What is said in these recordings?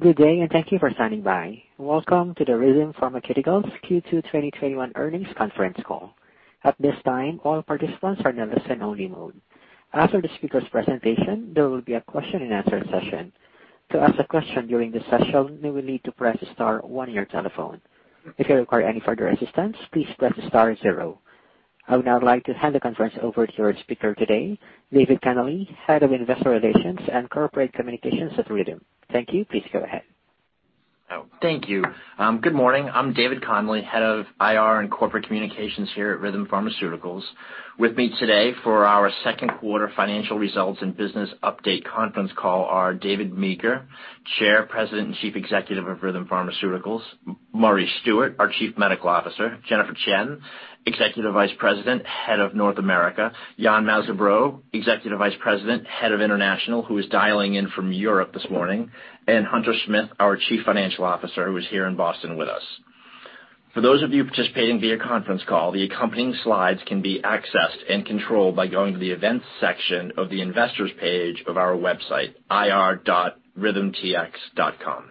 Good day, and thank you for standing by. Welcome to the Rhythm Pharmaceuticals Q2 2021 earnings conference call. At this time, all participants are in listen-only mode. After the speakers' presentation, there will be a question and answer session. I would now like to hand the conference over to your speaker today, David Connelly, Head of Investor Relations and Corporate Communications at Rhythm. Thank you. Please go ahead. Thank you. Good morning. I'm David Connelly, Head of IR and Corporate Communications here at Rhythm Pharmaceuticals. With me today for our second quarter financial results and business update conference call are David Meeker, Chair, President, and Chief Executive of Rhythm Pharmaceuticals, Murray Stewart, our Chief Medical Officer, Jennifer Chen, Executive Vice President, Head of North America, Yann Mazabraud, Executive Vice President, Head of International, who is dialing in from Europe this morning, and Hunter Smith, our Chief Financial Officer, who is here in Boston with us. For those of you participating via conference call, the accompanying slides can be accessed and controlled by going to the events section of the investors page of our website, ir.rhythmtx.com.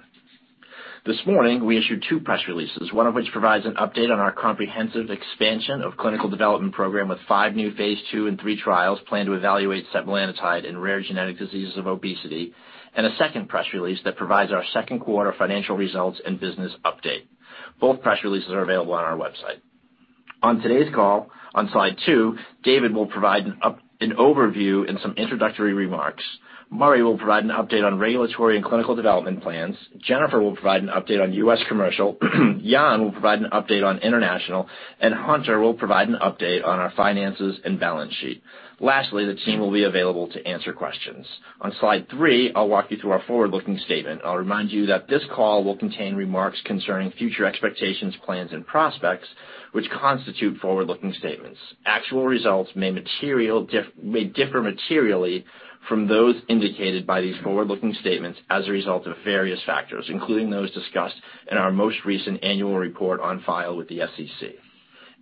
This morning, we issued two press releases, one of which provides an update on our comprehensive expansion of clinical development program with five new phase II and III trials planned to evaluate setmelanotide in rare genetic diseases of obesity, and a second press release that provides our second quarter financial results and business update. Both press releases are available on our website. On today's call, on slide two, David will provide an overview and some introductory remarks. Murray will provide an update on regulatory and clinical development plans. Jennifer will provide an update on U.S. commercial. Yann will provide an update on international, Hunter will provide an update on our finances and balance sheet. Lastly, the team will be available to answer questions. On slide three, I'll walk you through our forward-looking statement. I'll remind you that this call will contain remarks concerning future expectations, plans, and prospects, which constitute forward-looking statements. Actual results may differ materially from those indicated by these forward-looking statements as a result of various factors, including those discussed in our most recent annual report on file with the SEC.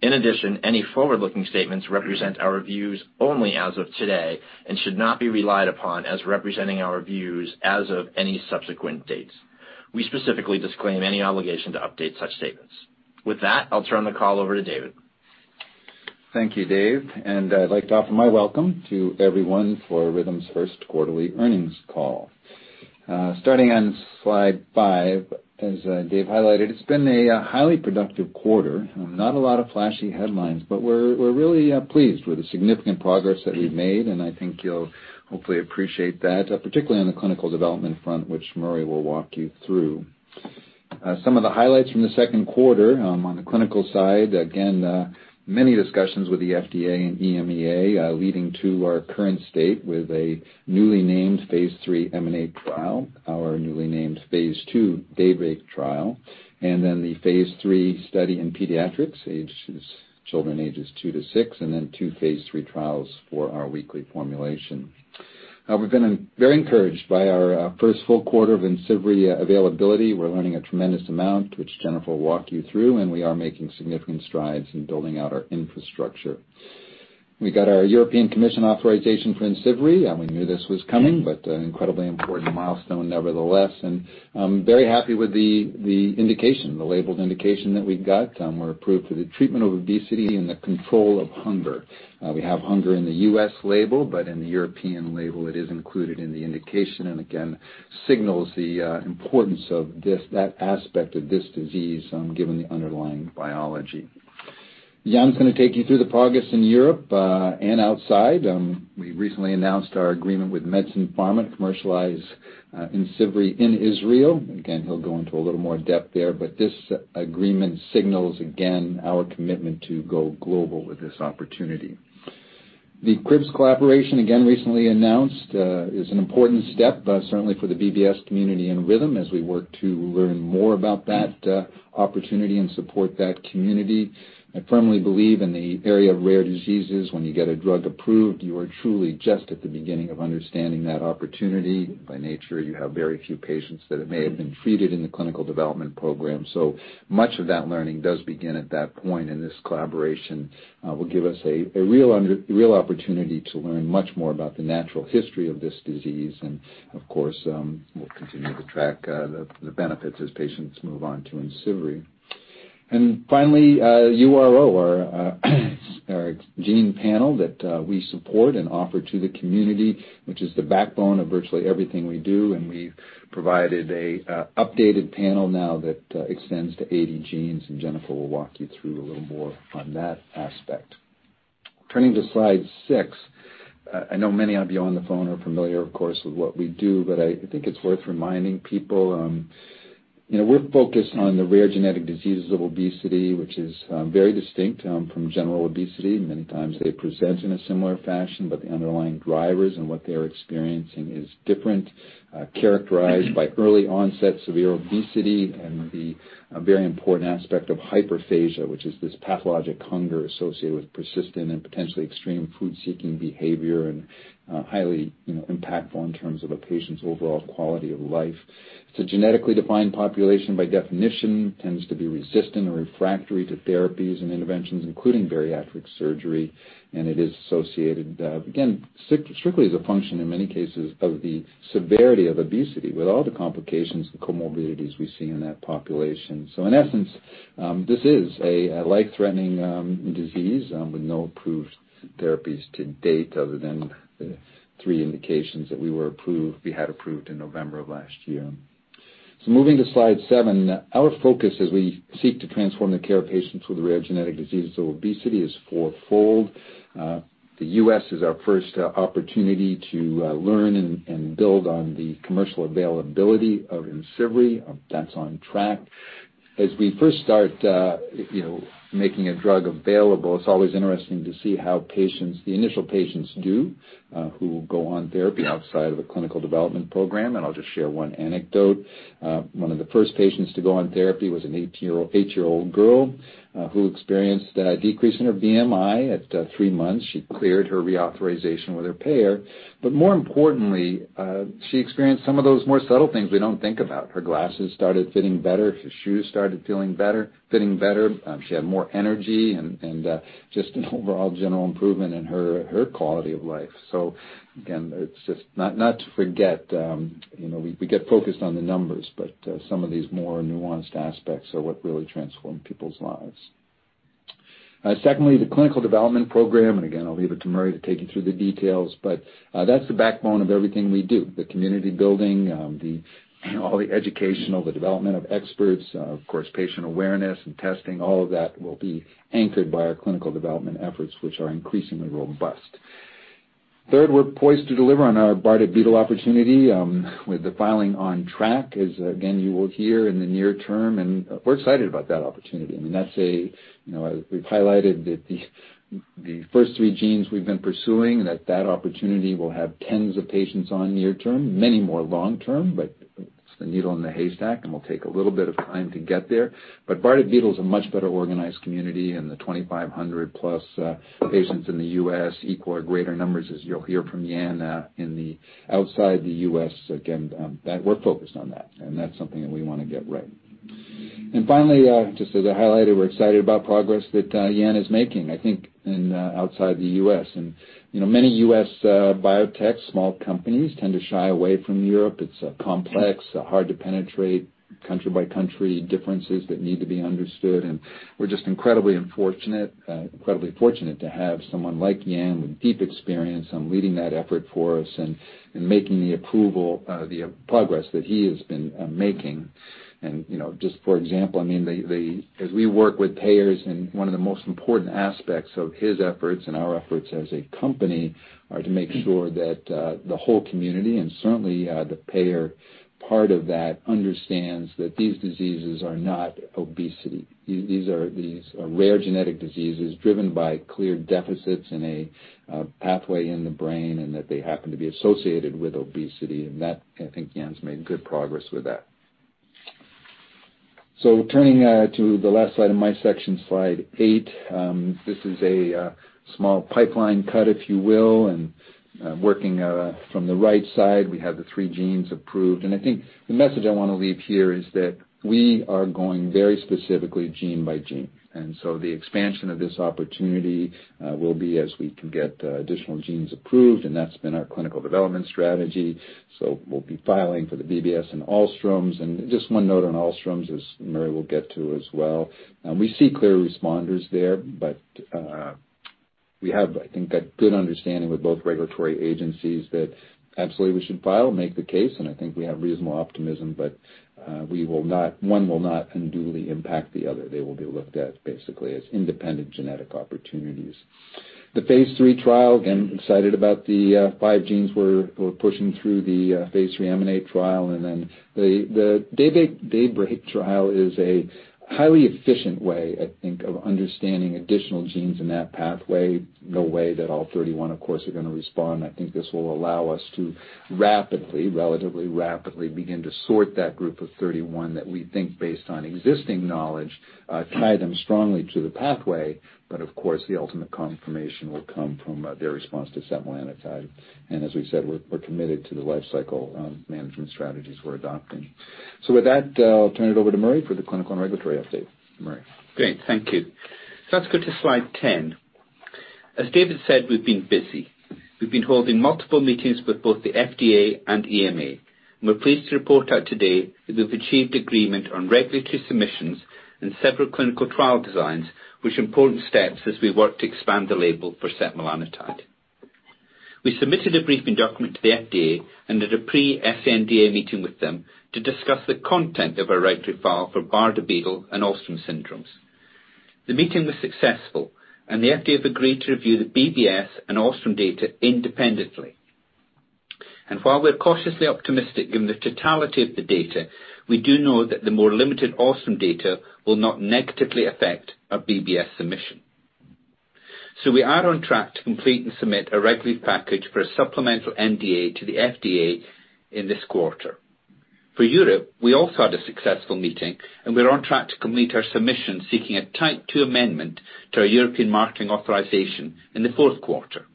Any forward-looking statements represent our views only as of today and should not be relied upon as representing our views as of any subsequent dates. We specifically disclaim any obligation to update such statements. With that, I'll turn the call over to David. Thank you, Dave. I'd like to offer my welcome to everyone for Rhythm Pharmaceuticals' first quarterly earnings call. Starting on slide five, as Dave highlighted, it's been a highly productive quarter. Not a lot of flashy headlines, we're really pleased with the significant progress that we've made. I think you'll hopefully appreciate that, particularly on the clinical development front, which Murray will walk you through. Some of the highlights from the second quarter, on the clinical side, again, many discussions with the FDA and EMA, leading to our current state with a newly named Phase III EMANATE trial, our newly named Phase II DAYBREAK trial, and then the phase III study in pediatrics, children ages two to six, and then two phase III trials for our weekly formulation. We've been very encouraged by our first full quarter of IMCIVREE availability. We're learning a tremendous amount, which Jennifer will walk you through, and we are making significant strides in building out our infrastructure. We got our European Commission authorization for IMCIVREE. We knew this was coming, but an incredibly important milestone nevertheless. Very happy with the labeled indication that we got. We're approved for the treatment of obesity and the control of hunger. We have hunger in the U.S. label, but in the European label, it is included in the indication and again, signals the importance of that aspect of this disease given the underlying biology. Yann's going to take you through the progress in Europe and outside. We recently announced our agreement with Medison Pharma to commercialize IMCIVREE in Israel. He'll go into a little more depth there. This agreement signals, again, our commitment to go global with this opportunity. The CRIBBS collaboration, again, recently announced, is an important step, certainly for the BBS community and Rhythm as we work to learn more about that opportunity and support that community. I firmly believe in the area of rare diseases, when you get a drug approved, you are truly just at the beginning of understanding that opportunity. By nature, you have very few patients that may have been treated in the clinical development program. Much of that learning does begin at that point, and this collaboration will give us a real opportunity to learn much more about the natural history of this disease. Of course, we'll continue to track the benefits as patients move on to IMCIVREE. Finally, URO, our gene panel that we support and offer to the community, which is the backbone of virtually everything we do, and we've provided an updated panel now that extends to 80 genes, and Jennifer will walk you through a little more on that aspect. Turning to slide six. I know many of you on the phone are familiar, of course, with what we do, but I think it's worth reminding people. We're focused on the rare genetic diseases of obesity, which is very distinct from general obesity. Many times they present in a similar fashion, but the underlying drivers and what they're experiencing is different, characterized by early onset severe obesity and the very important aspect of hyperphagia, which is this pathologic hunger associated with persistent and potentially extreme food-seeking behavior and highly impactful in terms of a patient's overall quality of life. It's a genetically defined population by definition, tends to be resistant or refractory to therapies and interventions, including bariatric surgery, and it is associated, again, strictly as a function in many cases of the severity of obesity with all the complications and comorbidities we see in that population. In essence, this is a life-threatening disease with no approved therapies to date other than the three indications that we had approved in November of last year. Moving to slide seven, our focus as we seek to transform the care of patients with rare genetic diseases or obesity is fourfold. The U.S. is our first opportunity to learn and build on the commercial availability of IMCIVREE. That's on track. As we first start making a drug available, it's always interesting to see how the initial patients do, who go on therapy outside of the clinical development program. I'll just share one anecdote. One of the first patients to go on therapy was an eight-year-old girl who experienced a decrease in her BMI. At three months, she cleared her reauthorization with her payer. More importantly, she experienced some of those more subtle things we don't think about. Her glasses started fitting better, her shoes started feeling better, fitting better. She had more energy and just an overall general improvement in her quality of life. Again, it's just not to forget. We get focused on the numbers, but some of these more nuanced aspects are what really transform people's lives. Secondly, the clinical development program, and again, I'll leave it to Murray to take you through the details, but that's the backbone of everything we do. The community building, all the educational, the development of experts, of course, patient awareness and testing, all of that will be anchored by our clinical development efforts, which are increasingly robust. Third, we're poised to deliver on our Bardet-Biedl opportunity with the filing on track as, again, you will hear in the near term. We're excited about that opportunity. We've highlighted that the first three genes we've been pursuing, that that opportunity will have tens of patients on near term, many more long term. It's the needle in the haystack. Will take a little bit of time to get there. Bardet-Biedl is a much better organized community and the 2,500-plus patients in the U.S. equal or greater numbers as you'll hear from Yann outside the U.S. We're focused on that. That's something that we want to get right. Finally, just as I highlighted, we're excited about progress that Yann is making, I think in outside the U.S. Many U.S. biotech small companies tend to shy away from Europe. It's complex, hard to penetrate, country by country differences that need to be understood, and we're just incredibly fortunate to have someone like Yann with deep experience on leading that effort for us and making the approval, the progress that he has been making. Just for example, as we work with payers and one of the most important aspects of his efforts and our efforts as a company are to make sure that the whole community, and certainly the payer part of that, understands that these diseases are not obesity. These are rare genetic diseases driven by clear deficits in a pathway in the brain, and that they happen to be associated with obesity. That, I think Yann's made good progress with that. Turning to the last slide in my section, slide eight. This is a small pipeline cut, if you will, and working from the right side, we have the three genes approved. I think the message I want to leave here is that we are going very specifically gene by gene, and so the expansion of this opportunity will be as we can get additional genes approved, and that's been our clinical development strategy. We'll be filing for the BBS and Alström, and just one note on Alström as Murray will get to as well. We see clear responders there, but we have, I think, a good understanding with both regulatory agencies that absolutely we should file, make the case, and I think we have reasonable optimism, but one will not unduly impact the other. They will be looked at basically as independent genetic opportunities. The phase III trial, again, excited about the 5 genes we're pushing through the Phase III EMANATE trial, and then the DAYBREAK trial is a highly efficient way, I think, of understanding additional genes in that pathway. No way that all 31, of course, are going to respond. I think this will allow us to rapidly, relatively rapidly, begin to sort that group of 31 that we think based on existing knowledge tie them strongly to the pathway. Of course, the ultimate confirmation will come from their response to setmelanotide. As we said, we're committed to the life cycle management strategies we're adopting. With that, I'll turn it over to Murray for the clinical and regulatory update. Murray. Great, thank you. Let's go to slide 10. As David said, we've been busy. We've been holding multiple meetings with both the FDA and EMA. We're pleased to report out today that we've achieved agreement on regulatory submissions and several clinical trial designs, which are important steps as we work to expand the label for setmelanotide. We submitted a briefing document to the FDA and did a pre-SNDA meeting with them to discuss the content of a regulatory file for Bardet-Biedl and Alström syndromes. The meeting was successful, and the FDA have agreed to review the BBS and Alström data independently. While we're cautiously optimistic in the totality of the data, we do know that the more limited Alström data will not negatively affect our BBS submission. We are on track to complete and submit a regulatory package for a supplemental NDA to the FDA in this quarter. For Europe, we also had a successful meeting, and we're on track to complete our submission seeking a Type II amendment to our European Marketing Authorization in the fourth quarter.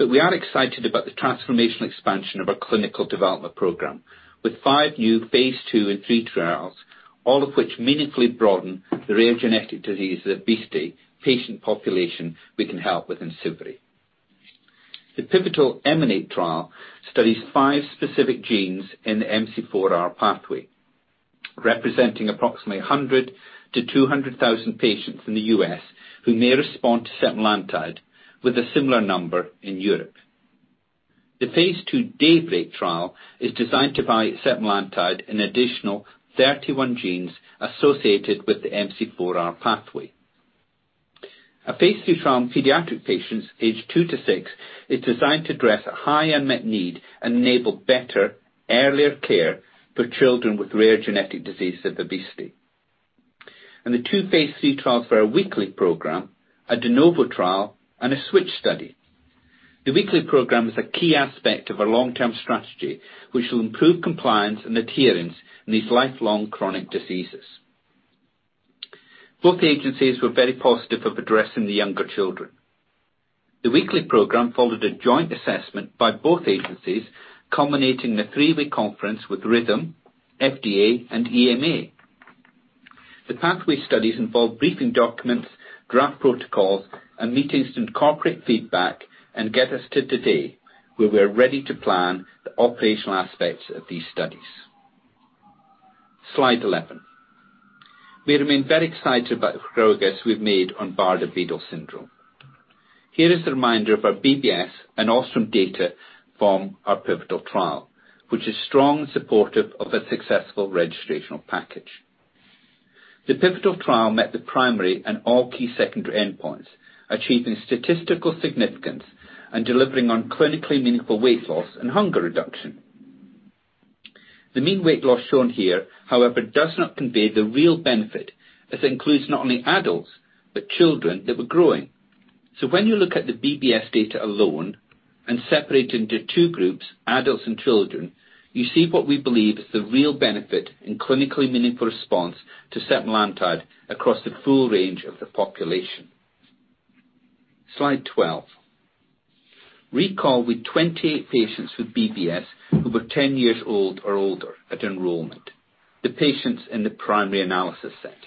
We are excited about the transformational expansion of our clinical development program with five new phase II and III trials, all of which meaningfully broaden the rare genetic disease, the obesity patient population we can help with IMCIVREE. The pivotal EMANATE trial studies 5 specific genes in the MC4R pathway, representing approximately 100,000-200,000 patients in the U.S. who may respond to setmelanotide with a similar number in Europe. The Phase II DAYBREAK trial is designed to buy setmelanotide an additional 31 genes associated with the MC4R pathway. A phase III trial in pediatric patients aged two-six is designed to address a high unmet need and enable better, earlier care for children with rare genetic disease of obesity. The two phase III trials for our weekly program, a De Novo trial, and a switch study. The weekly program is a key aspect of our long-term strategy, which will improve compliance and adherence in these lifelong chronic diseases. Both agencies were very positive of addressing the younger children. The weekly program followed a joint assessment by both agencies, culminating in a three-way conference with Rhythm, FDA, and EMA. The pathway studies involve briefing documents, draft protocols, and meetings to incorporate feedback and get us to today, where we're ready to plan the operational aspects of these studies. Slide 11. We remain very excited about the progress we've made on Bardet-Biedl syndrome. Here is a reminder of our BBS and Alström data from our pivotal trial, which is strong and supportive of a successful registrational package. The pivotal trial met the primary and all key secondary endpoints, achieving statistical significance and delivering on clinically meaningful weight loss and hunger reduction. The mean weight loss shown here, however, does not convey the real benefit, as it includes not only adults, but children that were growing. When you look at the BBS data alone and separate it into two groups, adults and children, you see what we believe is the real benefit in clinically meaningful response to setmelanotide across the full range of the population. Slide 12. Recall with 28 patients with BBS who were 10 years old or older at enrollment, the patients in the primary analysis set.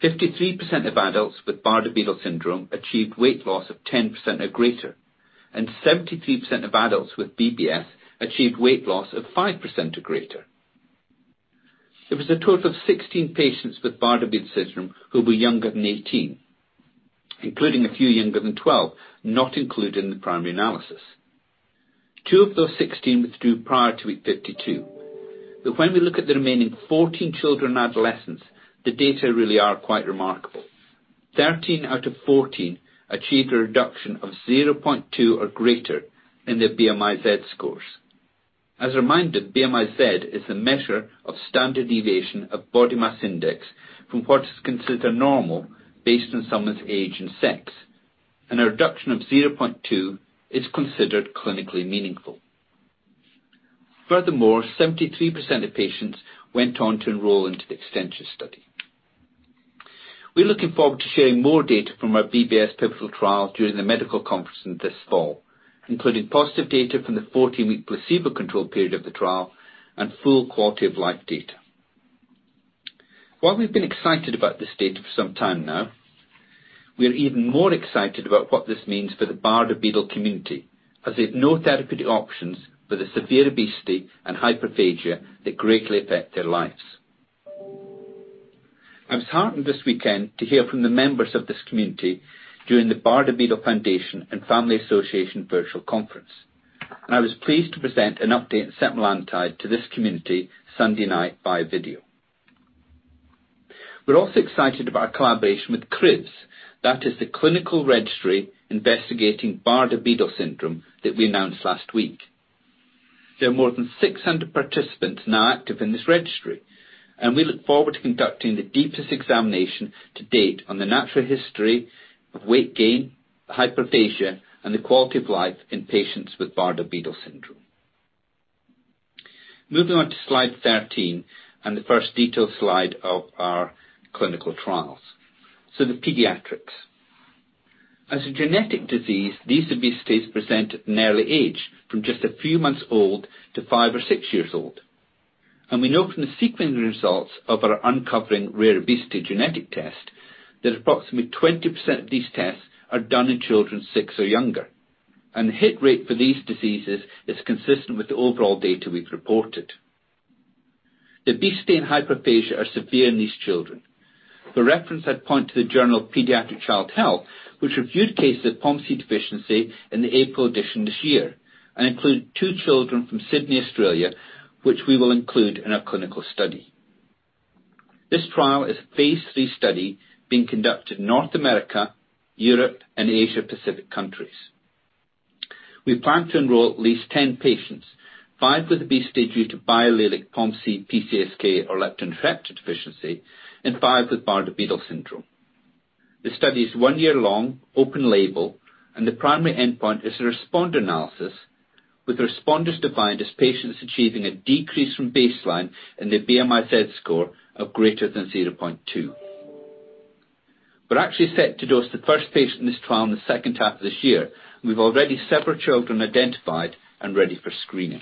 53% of adults with Bardet-Biedl syndrome achieved weight loss of 10% or greater, and 73% of adults with BBS achieved weight loss of 5% or greater. There was a total of 16 patients with Bardet-Biedl syndrome who were younger than 18, including a few younger than 12, not included in the primary analysis. Two of those 16 withdrew prior to week 52. When we look at the remaining 14 children adolescents, the data really are quite remarkable. 13 out of 14 achieved a reduction of 0.2 or greater in their BMI-Z scores. As a reminder, BMI-Z is a measure of standard deviation of body mass index from what is considered normal based on someone's age and sex, and a reduction of 0.2 is considered clinically meaningful. Furthermore, 73% of patients went on to enroll into the extension study. We're looking forward to sharing more data from our BBS pivotal trial during the medical conference this fall, including positive data from the 14-week placebo control period of the trial and full quality of life data. While we've been excited about this data for some time now, we are even more excited about what this means for the Bardet-Biedl community, as they have no therapeutic options for the severe obesity and hyperphagia that greatly affect their lives. I was heartened this weekend to hear from the members of this community during the Bardet-Biedl Foundation and Family Association Virtual Conference, and I was pleased to present an update on setmelanotide to this community Sunday night by video. We're also excited about our collaboration with CRIBBS. That is the Clinical Registry Investigating Bardet-Biedl Syndrome that we announced last week. There are more than 600 participants now active in this registry. We look forward to conducting the deepest examination to date on the natural history of weight gain, hyperphagia, and the quality of life in patients with Bardet-Biedl syndrome. Moving on to slide 13 and the first detailed slide of our clinical trials. The pediatrics. As a genetic disease, these obesities present at an early age, from just a few months old to five or six years old. We know from the sequencing results of our Uncovering Rare Obesity genetic test that approximately 20% of these tests are done in children six or younger, and the hit rate for these diseases is consistent with the overall data we've reported. The obesity and hyperphagia are severe in these children. For reference, I'd point to the Journal of Paediatrics and Child Health, which reviewed cases of POMC deficiency in the April edition this year, and include two children from Sydney, Australia, which we will include in our clinical study. This trial is a Phase III study being conducted in North America, Europe, and Asia Pacific countries. We plan to enroll at least 10 patients, five with obesity due to biallelic POMC, PCSK1, or leptin receptor deficiency, and five with Bardet-Biedl syndrome. The primary endpoint is a responder analysis, with responders defined as patients achieving a decrease from baseline in their BMI-Z score of greater than 0.2. We're actually set to dose the first patient in this trial in the second half of this year. We've already several children identified and ready for screening.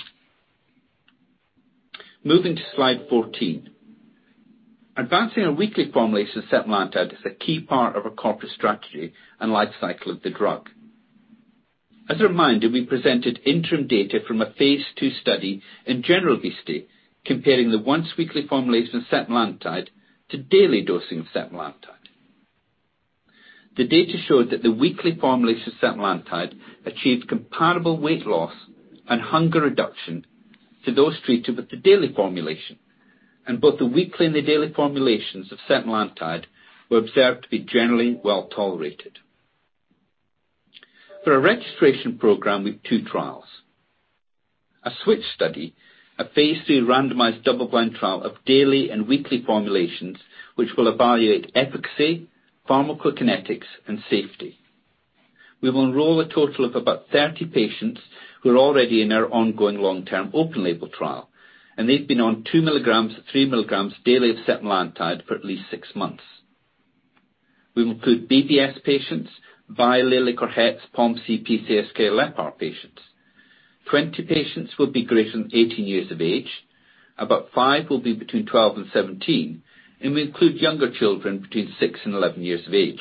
Moving to slide 14. Advancing a weekly formulation of setmelanotide is a key part of our corporate strategy and life cycle of the drug. As a reminder, we presented interim data from a phase II study in general obesity comparing the once-weekly formulation setmelanotide to daily dosing of setmelanotide. The data showed that the weekly formulation setmelanotide achieved comparable weight loss and hunger reduction to those treated with the daily formulation. Both the weekly and the daily formulations of setmelanotide were observed to be generally well-tolerated. For our registration program with two trials. A switch study, a phase II randomized double-blind trial of daily and weekly formulations, which will evaluate efficacy, pharmacokinetics, and safety. We will enroll a total of about 30 patients who are already in our ongoing long-term open label trial, and they've been on two milligrams or three milligrams daily of setmelanotide for at least six months. We will include BBS patients, biallelic or het POMC PCSK LEPR patients. 20 patients will be greater than 18 years of age. About 5 will be between 12 and 17, and we include younger children between six and 11 years of age.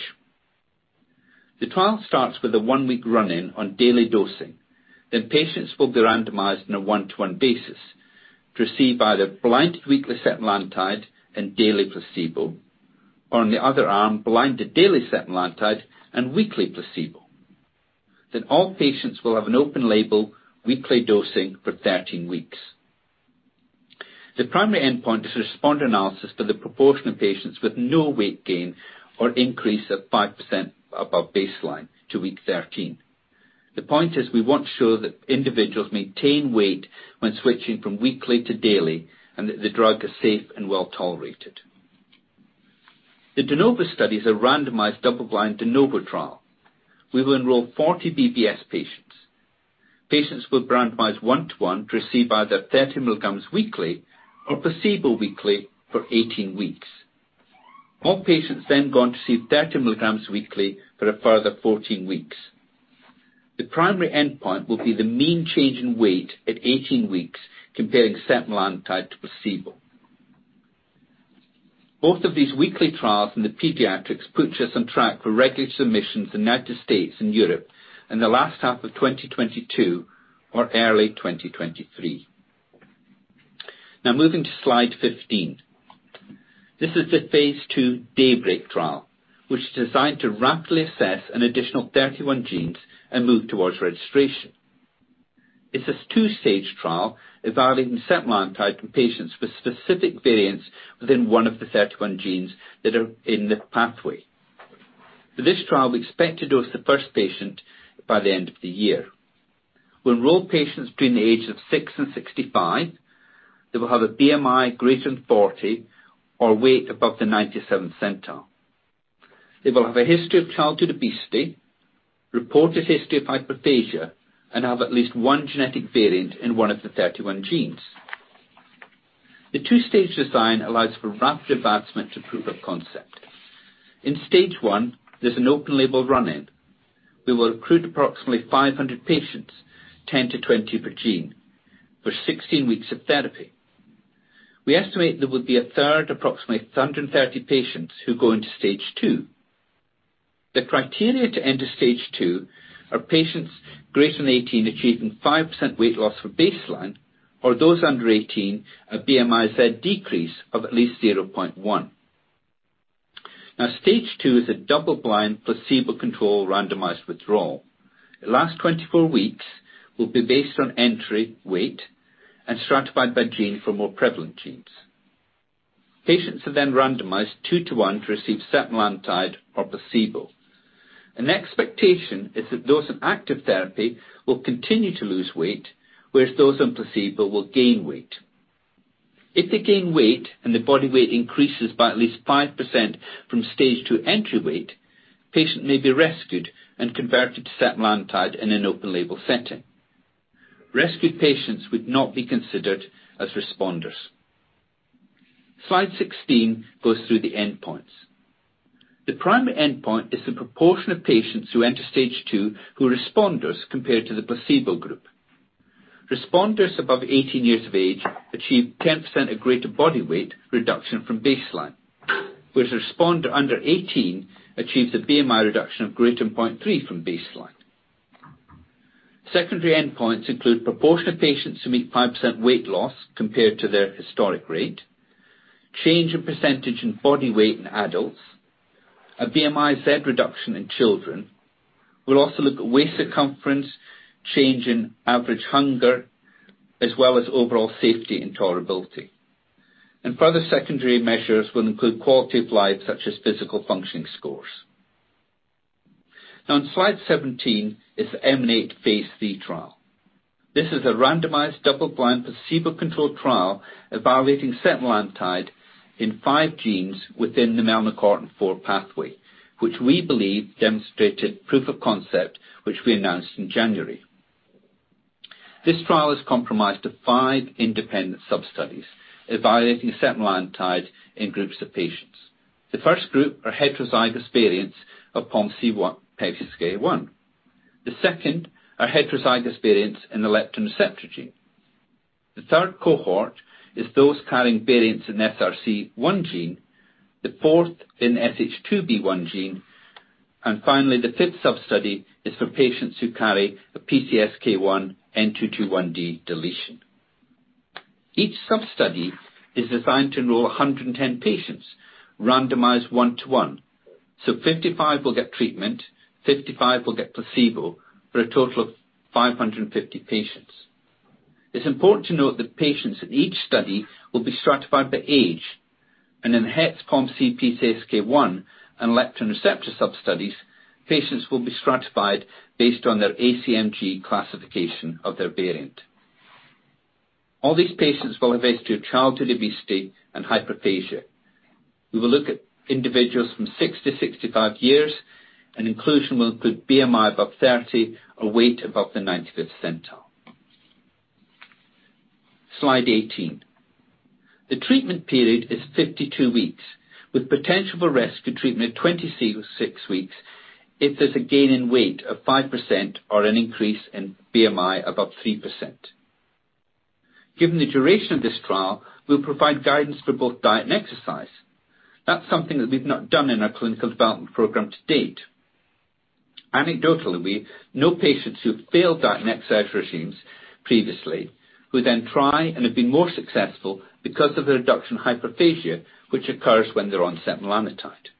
The trial starts with a one-week run-in on daily dosing. Patients will be randomized on a one-to-one basis to receive either blind to weekly setmelanotide and daily placebo, or on the other arm, blind to daily setmelanotide and weekly placebo. All patients will have an open label weekly dosing for 13 weeks. The primary endpoint is a responder analysis for the proportion of patients with no weight gain or increase of 5% above baseline to week 13. The point is we want to show that individuals maintain weight when switching from weekly to daily, and that the drug is safe and well-tolerated. The De Novo study is a randomized double-blind De Novo trial. We will enroll 40 BBS patients. Patients will be randomized one-to-one to receive either 30 milligrams weekly or placebo weekly for 18 weeks. All patients go on to receive 30 milligrams weekly for a further 14 weeks. The primary endpoint will be the mean change in weight at 18 weeks comparing setmelanotide to placebo. Both of these weekly trials in the pediatrics puts us on track for regulatory submissions in U.S. and Europe in the last half of 2022 or early 2023. Moving to slide 15. This is the Phase II DAYBREAK trial, which is designed to rapidly assess an additional 31 genes and move towards registration. It's a two-stage trial evaluating setmelanotide in patients with specific variants within one of the 31 genes that are in the pathway. For this trial, we expect to dose the first patient by the end of the year. We'll enroll patients between the age of six and 65. They will have a BMI greater than 40 or weight above the 97th centile. They will have a history of childhood obesity, reported history of hyperphagia, and have at least one genetic variant in one of the 31 genes. The two-stage design allows for rapid advancement to proof of concept. In stage 1, there's an open label run-in. We will recruit approximately 500 patients, 10-20 per gene, for 16 weeks of therapy. We estimate there will be a third, approximately 130 patients, who go into stage 2. The criteria to enter stage 2 are patients greater than 18 achieving 5% weight loss from baseline, or those under 18, a BMI-Z decrease of at least 0.1. Stage 2 is a double-blind, placebo-controlled randomized withdrawal. It lasts 24 weeks, will be based on entry weight and stratified by gene for more prevalent genes. Patients are randomized two to one to receive setmelanotide or placebo. An expectation is that those on active therapy will continue to lose weight, whereas those on placebo will gain weight. If they gain weight and the body weight increases by at least 5% from stage 2 entry weight, patient may be rescued and converted to setmelanotide in an open label setting. Rescued patients would not be considered as responders. Slide 16 goes through the endpoints. The primary endpoint is the proportion of patients who enter stage 2 who are responders compared to the placebo group. Responders above 18 years of age achieved 10% or greater body weight reduction from baseline, whereas a responder under 18 achieves a BMI reduction of greater than 0.3 from baseline. Secondary endpoints include proportion of patients who meet 5% weight loss compared to their historic rate, change in percentage in body weight in adults, a BMI-Z reduction in children. We'll also look at waist circumference, change in average hunger, as well as overall safety and tolerability. Further secondary measures will include quality of life, such as physical functioning scores. Now, on slide 17 is the EMANATE Phase III trial. This is a randomized, double-blind, placebo-controlled trial evaluating setmelanotide in five genes within the melanocortin-4 pathway, which we believe demonstrated proof of concept, which we announced in January. This trial is comprised of five independent sub-studies evaluating setmelanotide in groups of patients. The first group are heterozygous variants of POMC PCSK1. The second are heterozygous variants in the leptin receptor gene. The third cohort is those carrying variants in SRC1 gene, the fourth in SH2B1 gene, finally, the fifth sub-study is for patients who carry a PCSK1 N221D deletion. Each sub-study is designed to enroll 110 patients randomized one to one. 55 will get treatment, 55 will get placebo, for a total of 550 patients. It's important to note that patients in each study will be stratified by age, in the Het POMC PCSK1 and leptin receptor sub-studies, patients will be stratified based on their ACMG classification of their variant. All these patients will have a history of childhood obesity and hyperphagia. We will look at individuals from six to 65 years, inclusion will include BMI above 30 or weight above the 95th centile. Slide 18. The treatment period is 52 weeks, with potential for rescue treatment at 26 weeks if there's a gain in weight of 5% or an increase in BMI above 3%. Given the duration of this trial, we'll provide guidance for both diet and exercise. That's something that we've not done in our clinical development program to date. Anecdotally, we know patients who've failed diet and exercise regimes previously, who then try and have been more successful because of the reduction in hyperphagia, which occurs when they're on setmelanotide.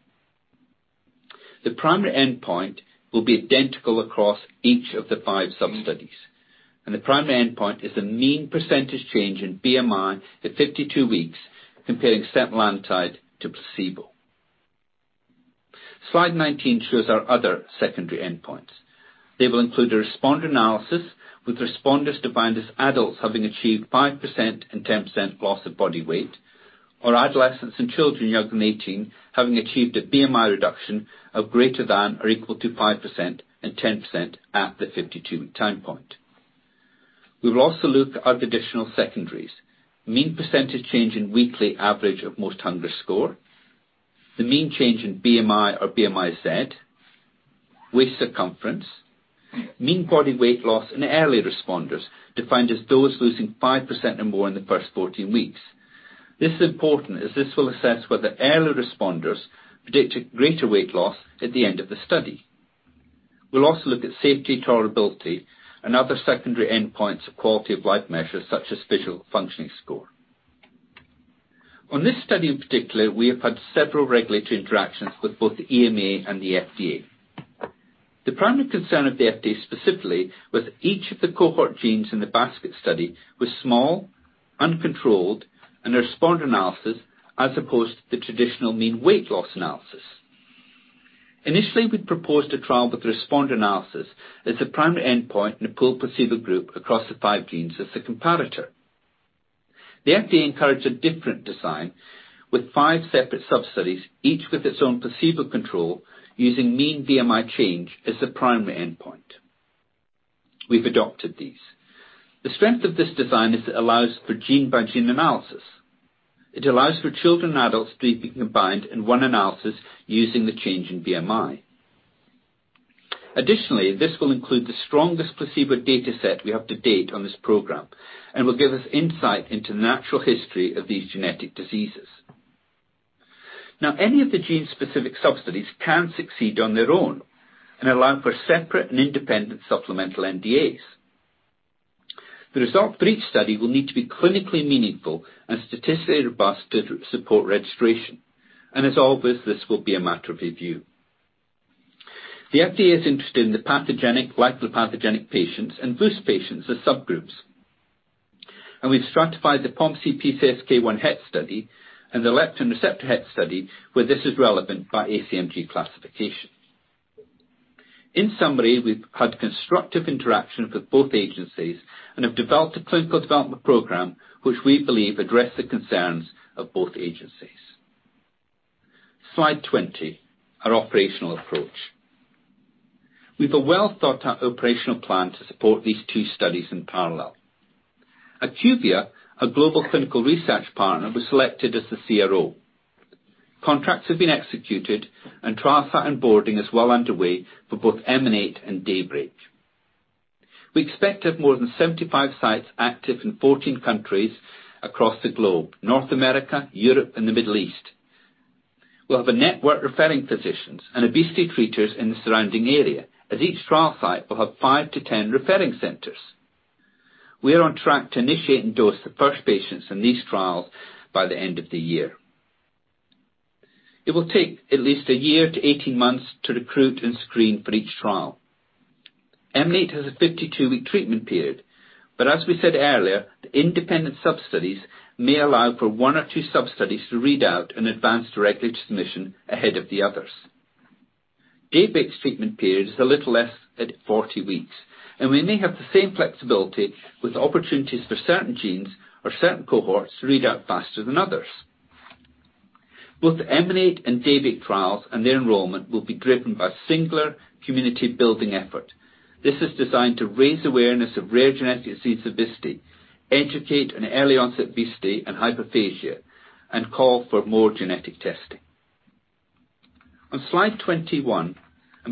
The primary endpoint will be identical across each of the five sub-studies, and the primary endpoint is the mean percentage change in BMI at 52 weeks comparing setmelanotide to placebo. Slide 19 shows our other secondary endpoints. They will include a responder analysis, with responders defined as adults having achieved 5% and 10% loss of body weight, or adolescents and children younger than 18 having achieved a BMI reduction of greater than or equal to 5% and 10% at the 52-week time point. We will also look at our traditional secondaries. Mean percentage change in weekly average of most hunger score, the mean change in BMI or BMI-Z, waist circumference, mean body weight loss in early responders, defined as those losing 5% or more in the first 14 weeks. This is important, as this will assess whether early responders predict a greater weight loss at the end of the study. We'll also look at safety tolerability and other secondary endpoints of quality-of-life measures such as visual functioning score. On this study in particular, we have had several regulatory interactions with both the EMA and the FDA. The primary concern of the FDA specifically with each of the cohort genes in the basket study was small, uncontrolled, and a responder analysis, as opposed to the traditional mean weight loss analysis. Initially, we'd proposed a trial with the responder analysis as the primary endpoint in a pooled placebo group across the five genes as the comparator. The FDA encouraged a different design with five separate sub-studies, each with its own placebo control using mean BMI change as the primary endpoint. We've adopted these. The strength of this design is it allows for gene-by-gene analysis. It allows for children and adults to be combined in one analysis using the change in BMI. Additionally, this will include the strongest placebo data set we have to date on this program and will give us insight into the natural history of these genetic diseases. Any of the gene-specific sub-studies can succeed on their own and allow for separate and independent supplemental NDAs. The result for each study will need to be clinically meaningful and statistically robust to support registration. As always, this will be a matter of review. The FDA is interested in the pathogenic, likely pathogenic patients and loose patients as subgroups. We've stratified the POMC PCSK1 Het study and the leptin receptor Het study, where this is relevant by ACMG classification. In summary, we've had constructive interactions with both agencies and have developed a clinical development program which we believe address the concerns of both agencies. Slide 20. Our operational approach. We've a well-thought-out operational plan to support these two studies in parallel. IQVIA, our global clinical research partner, was selected as the CRO. Contracts have been executed, trial site and boarding is well underway for both EMANATE and DAYBREAK. We expect to have more than 75 sites active in 14 countries across the globe, North America, Europe, and the Middle East. We'll have a network referring physicians and obesity treaters in the surrounding area, as each trial site will have 5-10 referring centers. We are on track to initiate and dose the first patients in these trials by the end of the year. It will take at least a year to 18 months to recruit and screen for each trial. EMANATE has a 52-week treatment period. As we said earlier, the independent sub-studies may allow for one or two sub-studies to read out and advance directly to submission ahead of the others. We may have the same flexibility with opportunities for certain genes or certain cohorts to read out faster than others. Both the EMANATE and DAYBREAK trials and their enrollment will be driven by a singular community-building effort. This is designed to raise awareness of rare genetic diseases obesity, educate on early-onset obesity and hyperphagia, and call for more genetic testing. On slide 21,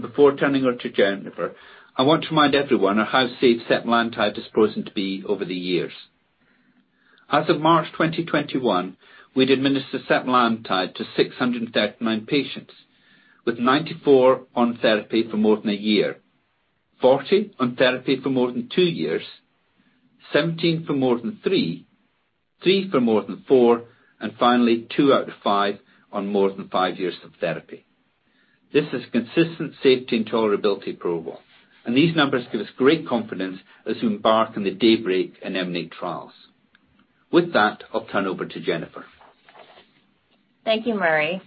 before turning over to Jennifer, I want to remind everyone of how safe setmelanotide has proven to be over the years. As of March 2021, we had administered setmelanotide to 639 patients, with 94 on therapy for more than one year, 40 on therapy for more than two years, 17 for more than three for more than four, and finally, two out of five on more than five years of therapy. This is consistent safety and tolerability profile, and these numbers give us great confidence as we embark on the DAYBREAK and EMANATE trials. With that, I'll turn over to Jennifer. Thank you, Murray.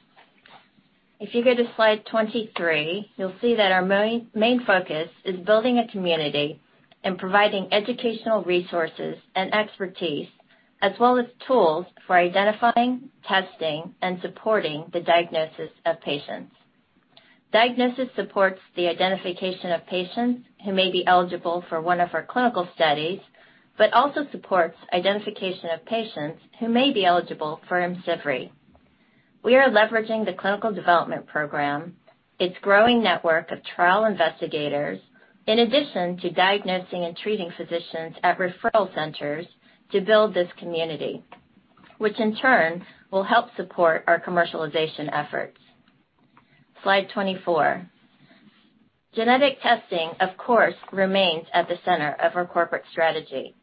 If you go to slide 23, you'll see that our main focus is building a community and providing educational resources and expertise, as well as tools for identifying, testing, and supporting the diagnosis of patients. Diagnosis supports the identification of patients who may be eligible for one of our clinical studies, also supports identification of patients who may be eligible for IMCIVREE. We are leveraging the clinical development program, its growing network of trial investigators, in addition to diagnosing and treating physicians at referral centers to build this community, which in turn, will help support our commercialization efforts. Slide 24. Genetic testing, of course, remains at the center of our corporate strategy.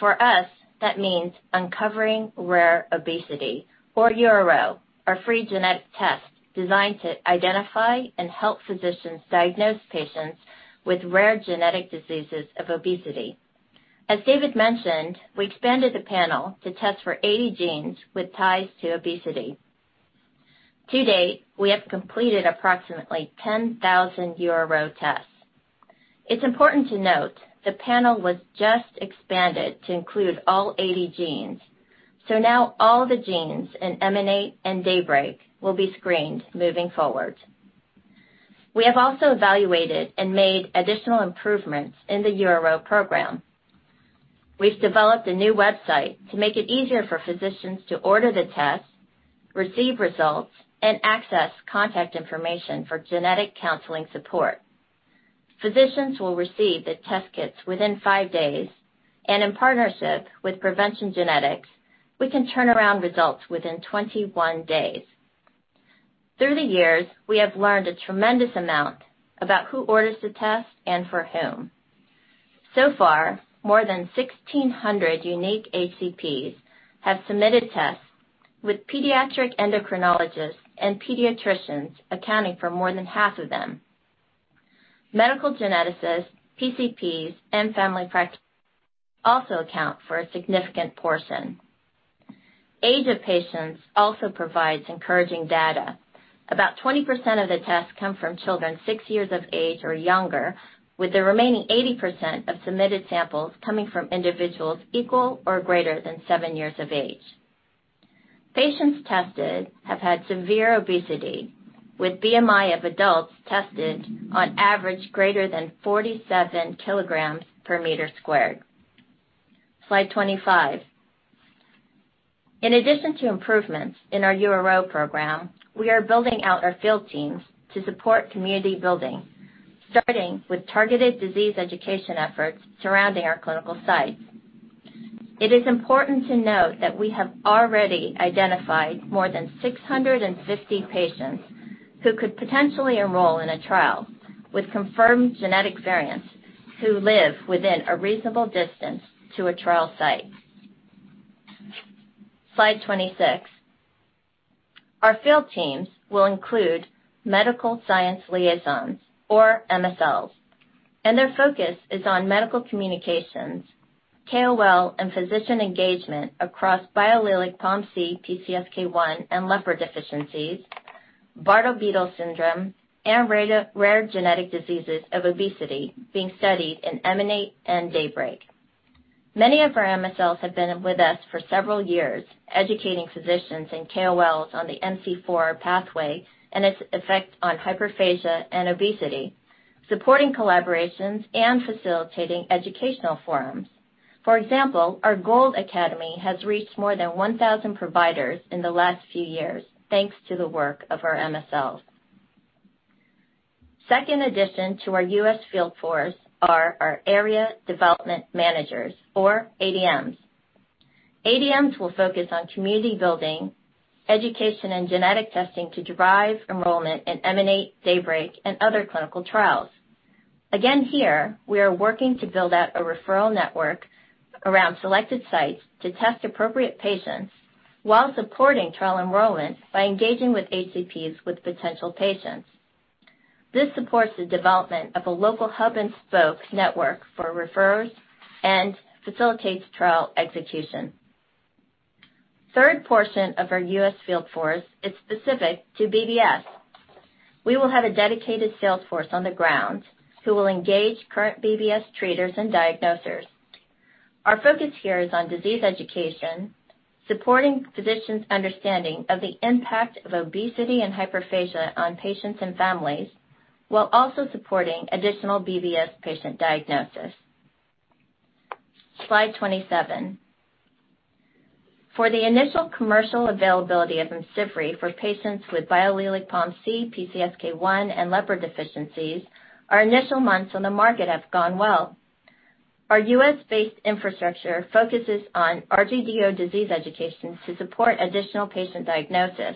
For us, that means Uncovering Rare Obesity, or URO, our free genetic test designed to identify and help physicians diagnose patients with rare genetic diseases of obesity. As David mentioned, we expanded the panel to test for 80 genes with ties to obesity. To date, we have completed approximately 10,000 URO tests. It's important to note the panel was just expanded to include all 80 genes, so now all the genes in EMANATE and DAYBREAK will be screened moving forward. We have also evaluated and made additional improvements in the URO program. We've developed a new website to make it easier for physicians to order the test, receive results, and access contact information for genetic counseling support. Physicians will receive the test kits within five days, and in partnership with PreventionGenetics, we can turn around results within 21 days. Through the years, we have learned a tremendous amount about who orders the test and for whom. Far, more than 1,600 unique HCPs have submitted tests, with pediatric endocrinologists and pediatricians accounting for more than half of them. Medical geneticists, PCPs, and family practitioners also account for a significant portion. Age of patients also provides encouraging data. About 20% of the tests come from children 6 years of age or younger, with the remaining 80% of submitted samples coming from individuals equal or greater than seven years of age. Patients tested have had severe obesity, with BMI of adults tested on average greater than 47 kg per meter squared. Slide 25. In addition to improvements in our URO program, we are building out our field teams to support community building, starting with targeted disease education efforts surrounding our clinical sites. It is important to note that we have already identified more than 650 patients who could potentially enroll in a trial with confirmed genetic variants who live within a reasonable distance to a trial site. Slide 26. Our field teams will include medical science liaisons, or MSLs, and their focus is on medical communications, KOL, and physician engagement across biallelic POMC, PCSK1, and LEPR deficiencies, Bardet-Biedl syndrome, and rare genetic diseases of obesity being studied in EMANATE and DAYBREAK. Many of our MSLs have been with us for several years, educating physicians and KOLs on the MC4 pathway and its effect on hyperphagia and obesity, supporting collaborations, and facilitating educational forums. For example, our GOLD Academy has reached more than 1,000 providers in the last few years, thanks to the work of our MSLs. Second addition to our U.S. field force are our area development managers, or ADMs. ADMs will focus on community building, education, and genetic testing to drive enrollment in EMANATE, DAYBREAK, and other clinical trials. Again here, we are working to build out a referral network around selected sites to test appropriate patients while supporting trial enrollment by engaging with HCPs with potential patients. This supports the development of a local hub-and-spoke network for referrers and facilitates trial execution. Third portion of our U.S. field force is specific to BBS. We will have a dedicated sales force on the ground who will engage current BBS treaters and diagnosers. Our focus here is on disease education, supporting physicians' understanding of the impact of obesity and hyperphagia on patients and families, while also supporting additional BBS patient diagnosis. Slide 27. For the initial commercial availability of IMCIVREE for patients with biallelic POMC, PCSK1, and LEPR deficiencies, our initial months on the market have gone well. Our U.S.-based infrastructure focuses on RGDO disease education to support additional patient diagnosis,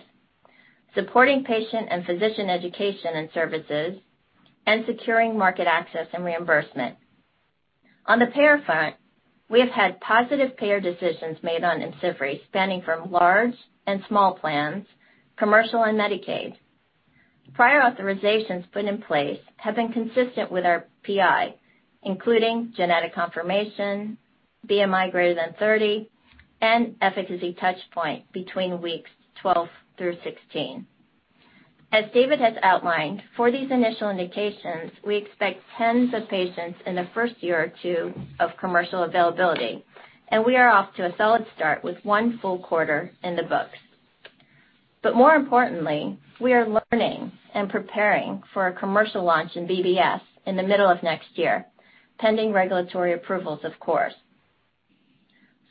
supporting patient and physician education and services, and securing market access and reimbursement. On the payer front, we have had positive payer decisions made on IMCIVREE spanning from large and small plans, commercial and Medicaid. Prior authorizations put in place have been consistent with our PI, including genetic confirmation, BMI greater than 30, and efficacy touch point between weeks 12 through 16. As David has outlined, for these initial indications, we expect tens of patients in the first year or two of commercial availability, and we are off to a solid start with one full quarter in the books. More importantly, we are learning and preparing for a commercial launch in BBS in the middle of next year, pending regulatory approvals, of course.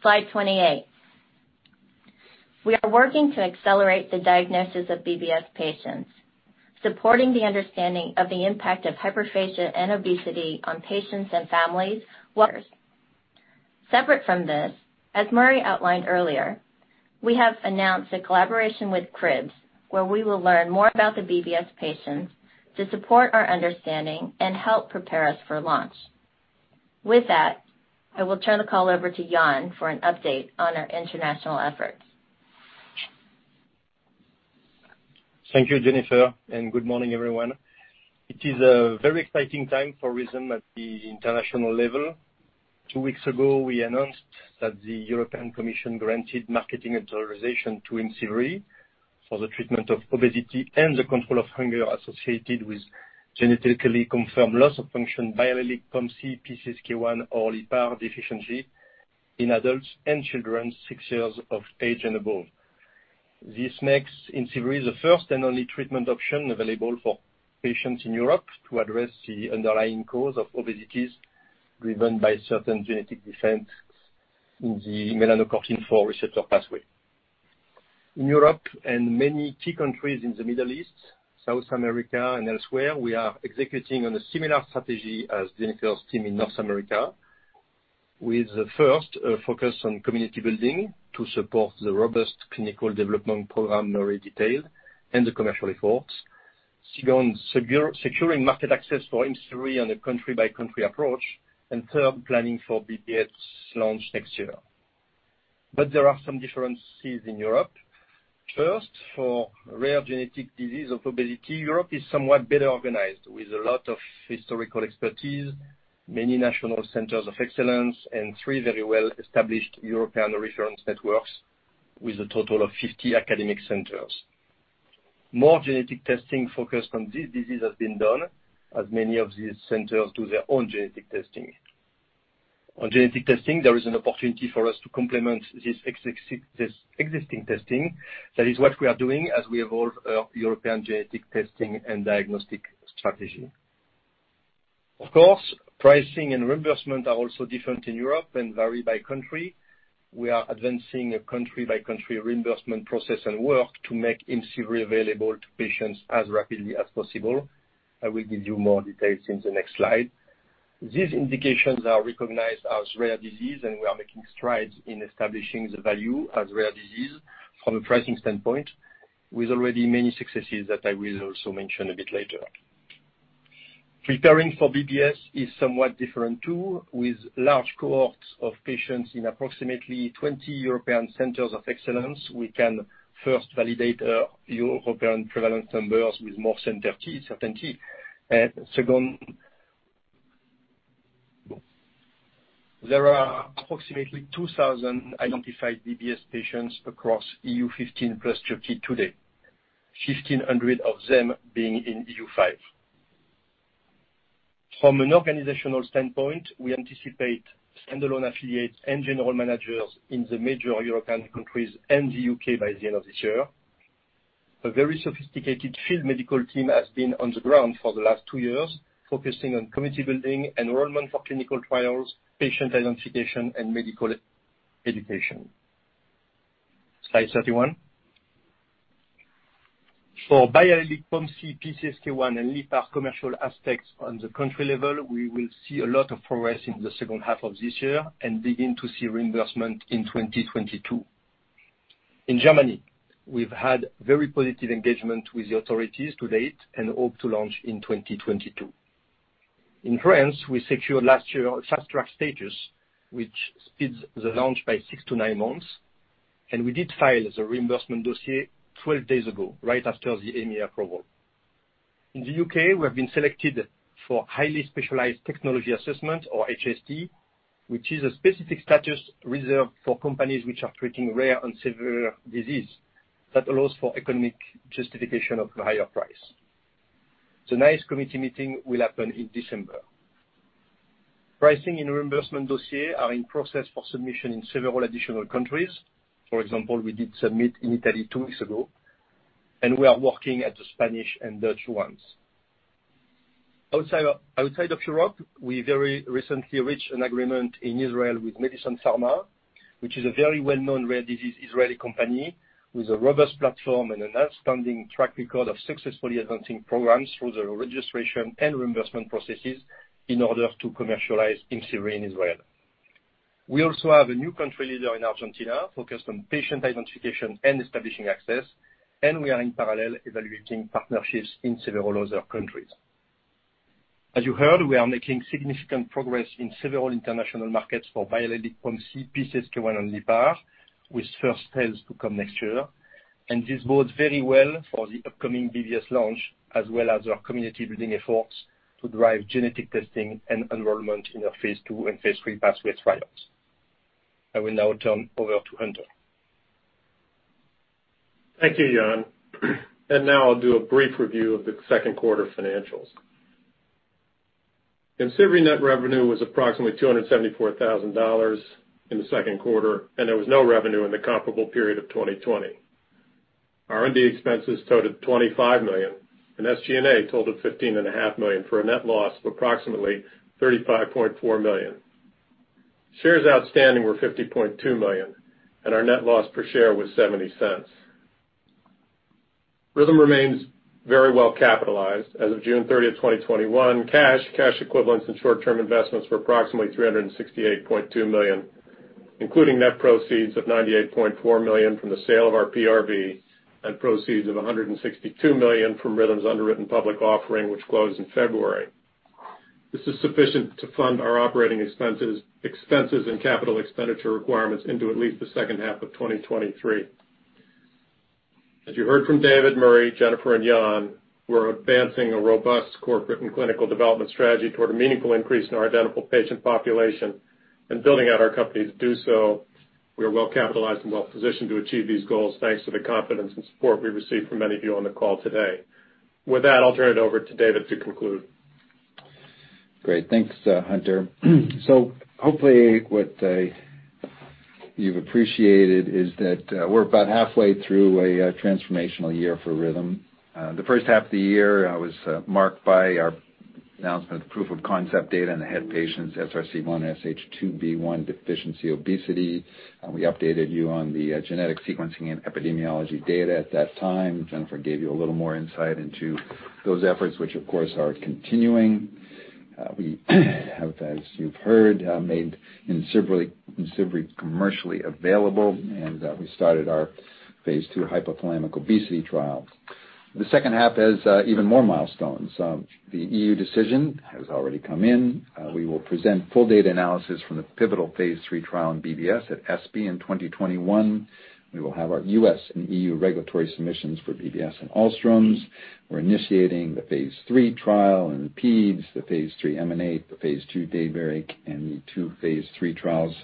Slide 28. We are working to accelerate the diagnosis of BBS patients, supporting the understanding of the impact of hyperphagia and obesity on patients and families. Separate from this, as Murray outlined earlier, we have announced a collaboration with CRIBBS, where we will learn more about the BBS patients to support our understanding and help prepare us for launch. With that, I will turn the call over to Yann for an update on our international efforts. Thank you, Jennifer, good morning, everyone. It is a very exciting time for Rhythm at the international level. Two weeks ago, we announced that the European Commission granted marketing authorization to IMCIVREE for the treatment of obesity and the control of hunger associated with genetically confirmed loss of function, biallelic POMC, PCSK1, or LEPR deficiency in adults and children six years of age and above. This makes IMCIVREE the first and only treatment option available for patients in Europe to address the underlying cause of obesities driven by certain genetic defects in the melanocortin-4 receptor pathway. In Europe and many key countries in the Middle East, South America, and elsewhere, we are executing on a similar strategy as Jennifer's team in North America with the first focus on community building to support the robust clinical development program Murray detailed and the commercial reports. Second, securing market access for IMCIVREE on a country-by-country approach. Third, planning for BBS launch next year. There are some differences in Europe. First, for rare genetic disease of obesity, Europe is somewhat better organized with a lot of historical expertise, many national centers of excellence, and three very well-established European reference networks with a total of 50 academic centers. More genetic testing focused on this disease has been done, as many of these centers do their own genetic testing. On genetic testing, there is an opportunity for us to complement this existing testing. That is what we are doing as we evolve our European genetic testing and diagnostic strategy. Of course, pricing and reimbursement are also different in Europe and vary by country. We are advancing a country-by-country reimbursement process and work to make IMCIVREE available to patients as rapidly as possible. I will give you more details in the next slide. These indications are recognized as rare disease, we are making strides in establishing the value as rare disease from a pricing standpoint with already many successes that I will also mention a bit later. Preparing for BBS is somewhat different, too. With large cohorts of patients in approximately 20 European centers of excellence, we can first validate our European prevalence numbers with more certainty. Second, there are approximately 2,000 identified BBS patients across EU 15 plus Turkey today. 1,500 of them being in EU 5. From an organizational standpoint, we anticipate standalone affiliates and general managers in the major European countries and the U.K. by the end of this year. A very sophisticated field medical team has been on the ground for the last two years, focusing on community building, enrollment for clinical trials, patient identification, and medical education. Slide 31. For biallelic POMC, PCSK1, and LEPR commercial aspects on the country level, we will see a lot of progress in the second half of this year and begin to see reimbursement in 2022. In Germany, we've had very positive engagement with the authorities to date and hope to launch in 2022. In France, we secured last year fast-track status, which speeds the launch by six to nine months. We did file the reimbursement dossier 12 days ago, right after the EMA approval. In the U.K., we have been selected for highly specialized technology assessment or HST, which is a specific status reserved for companies which are treating rare and severe disease that allows for economic justification of a higher price. The NICE committee meeting will happen in December. Pricing and reimbursement dossier are in process for submission in several additional countries. For example, we did submit in Italy two weeks ago, and we are working at the Spanish and Dutch ones. Outside of Europe, we very recently reached an agreement in Israel with Medison Pharma, which is a very well-known rare disease Israeli company with a robust platform and an outstanding track record of successfully advancing programs through the registration and reimbursement processes in order to commercialize in Israel. We also have a new country leader in Argentina focused on patient identification and establishing access, and we are in parallel evaluating partnerships in several other countries. As you heard, we are making significant progress in several international markets for PCSK1 and LEPR, with first sales to come next year. This bodes very well for the upcoming BBS launch, as well as our community building efforts to drive genetic testing and enrollment in our phase II and phase III pathway trials. I will now turn over to Hunter. Thank you, Yann. Now I'll do a brief review of the second quarter financials. IMCIVREE net revenue was approximately $274,000 in the second quarter, and there was no revenue in the comparable period of 2020. R&D expenses totaled $25 million, and SG&A totaled $15.5 million, for a net loss of approximately $35.4 million. Shares outstanding were 50.2 million, and our net loss per share was $0.70. Rhythm remains very well capitalized. As of June 30th, 2021, cash equivalents, and short-term investments were approximately $368.2 million, including net proceeds of $98.4 million from the sale of our PRV and proceeds of $162 million from Rhythm's underwritten public offering, which closed in February. This is sufficient to fund our operating expenses and capital expenditure requirements into at least the second half of 2023. As you heard from David, Murray, Jennifer, and Yann, we're advancing a robust corporate and clinical development strategy toward a meaningful increase in our identifiable patient population and building out our company to do so. We are well capitalized and well positioned to achieve these goals, thanks to the confidence and support we've received from many of you on the call today. With that, I'll turn it over to David to conclude. Great. Thanks, Hunter. Hopefully what you've appreciated is that we're about halfway through a transformational year for Rhythm. The first half of the year was marked by our announcement of the proof of concept data in the het patients, SRC1, SH2B1 deficiency obesity. We updated you on the genetic sequencing and epidemiology data at that time. Jennifer gave you a little more insight into those efforts, which of course, are continuing. We have, as you've heard, made IMCIVREE commercially available, and we started our phase II hypothalamic obesity trial. The second half has even more milestones. The EU decision has already come in. We will present full data analysis from the pivotal phase III trial in BBS at ENDO in 2021. We will have our U.S. and EU regulatory submissions for BBS and Alströms. We're initiating the phase III trial in peds, the phase III EMANATE, the phase II DAYBREAK, and the two phase III trials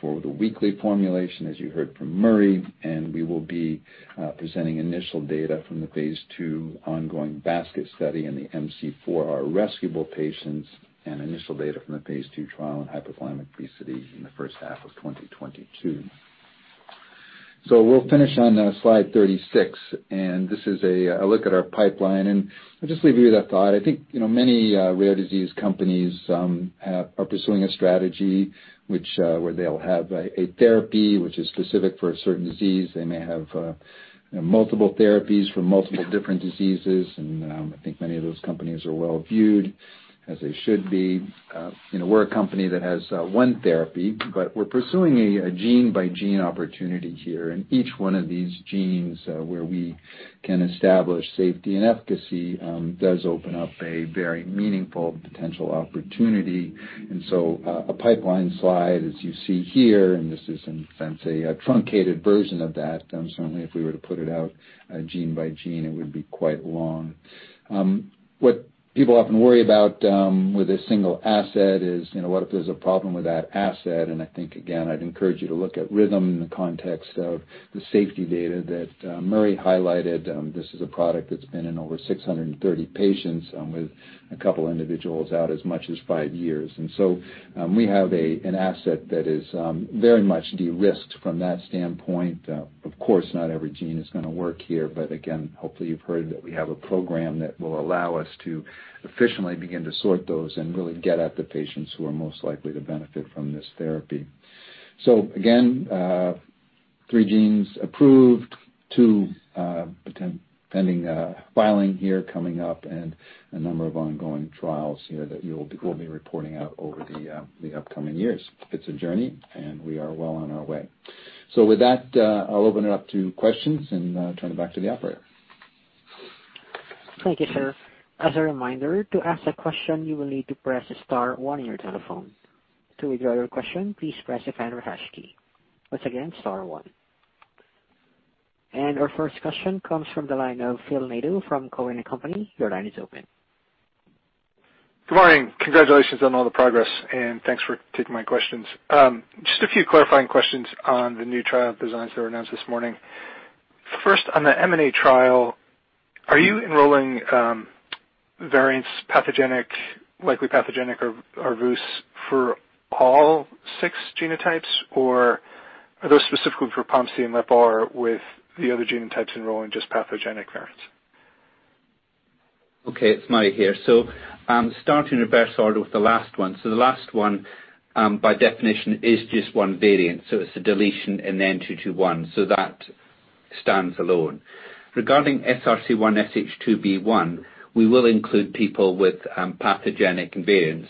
for the weekly formulation, as you heard from Murray. We will be presenting initial data from the phase II ongoing basket study in the MC4R rescueable patients and initial data from the phase II trial in hypothalamic obesity in the first half of 2022. We'll finish on slide 36, and this is a look at our pipeline. I'll just leave you with that thought. I think many rare disease companies are pursuing a strategy where they'll have a therapy which is specific for a certain disease. They may have multiple therapies for multiple different diseases, and I think many of those companies are well viewed, as they should be. We're a company that has one therapy, but we're pursuing a gene-by-gene opportunity here. Each one of these genes where we can establish safety and efficacy does open up a very meaningful potential opportunity. A pipeline slide, as you see here, and this is in a sense a truncated version of that. Certainly if we were to put it out gene by gene, it would be quite long. What people often worry about with a single asset is what if there's a problem with that asset? I think, again, I'd encourage you to look at Rhythm in the context of the safety data that Murray highlighted. This is a product that's been in over 630 patients, with a couple of individuals out as much as five years. We have an asset that is very much de-risked from that standpoint. Of course, not every gene is going to work here, but again, hopefully you've heard that we have a program that will allow us to efficiently begin to sort those and really get at the patients who are most likely to benefit from this therapy. Again, three genes approved, two pending filing here coming up, and a number of ongoing trials here that we'll be reporting out over the upcoming years. It's a journey, and we are well on our way. With that, I'll open it up to questions and turn it back to the operator. Thank you, sir. As a reminder, to ask a question, you will need to press star one on your telephone. To withdraw your question, please press the pound or hash key. Once again, star one. Our first question comes from the line of Phil Nadeau from Cowen and Company. Your line is open. Good morning. Congratulations on all the progress, and thanks for taking my questions. Just a few clarifying questions on the new trial designs that were announced this morning. First, on the EMANATE trial, are you enrolling variants pathogenic likely pathogenic or other for all six genotypes? Are those specifically for POMC and LEPR with the other genotypes enrolling just pathogenic variants? Okay, it's Murray here. Starting reverse order with the last one. The last one, by definition, is just one variant. It's a deletion in the N221. That stands alone. Regarding SRC1 SH2B1, we will include people with pathogenic variants,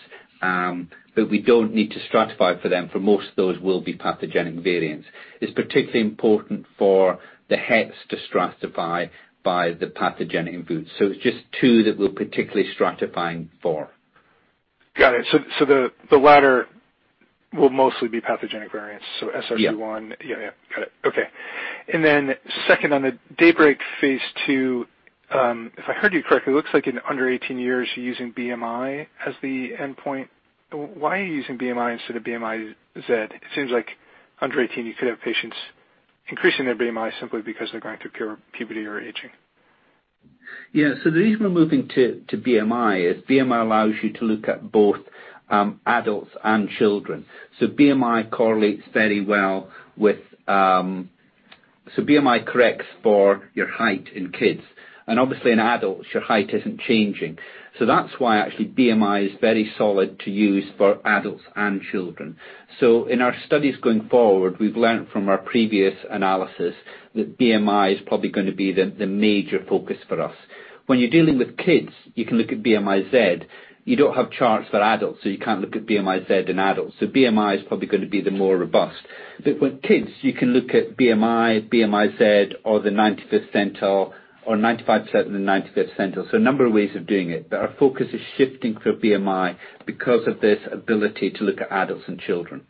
we don't need to stratify for them, for most of those will be pathogenic variants. It's particularly important for the hets to stratify by the pathogenic variants. It's just two that we're particularly stratifying for. Got it. The latter will mostly be pathogenic variants. SRC1- Yeah. Yeah. Got it. Okay. Second on the DAYBREAK phase II, if I heard you correctly, it looks like in under 18 years you're using BMI as the endpoint. Why are you using BMI instead of BMI-Z? It seems like under 18 you could have patients increasing their BMI simply because they're going through puberty or aging. Yeah. The reason we're moving to BMI is BMI allows you to look at both adults and children. BMI correlates very well. BMI corrects for your height in kids. Obviously in adults, your height isn't changing. That's why actually BMI is very solid to use for adults and children. In our studies going forward, we've learnt from our previous analysis that BMI is probably going to be the major focus for us. When you're dealing with kids, you can look at BMI-Z. You don't have charts for adults, so you can't look at BMI-Z in adults. BMI is probably going to be the more robust. With kids, you can look at BMI-Z or the 95th centile or 95th percent and 95th centile. A number of ways of doing it, but our focus is shifting for BMI because of this ability to look at adults and children.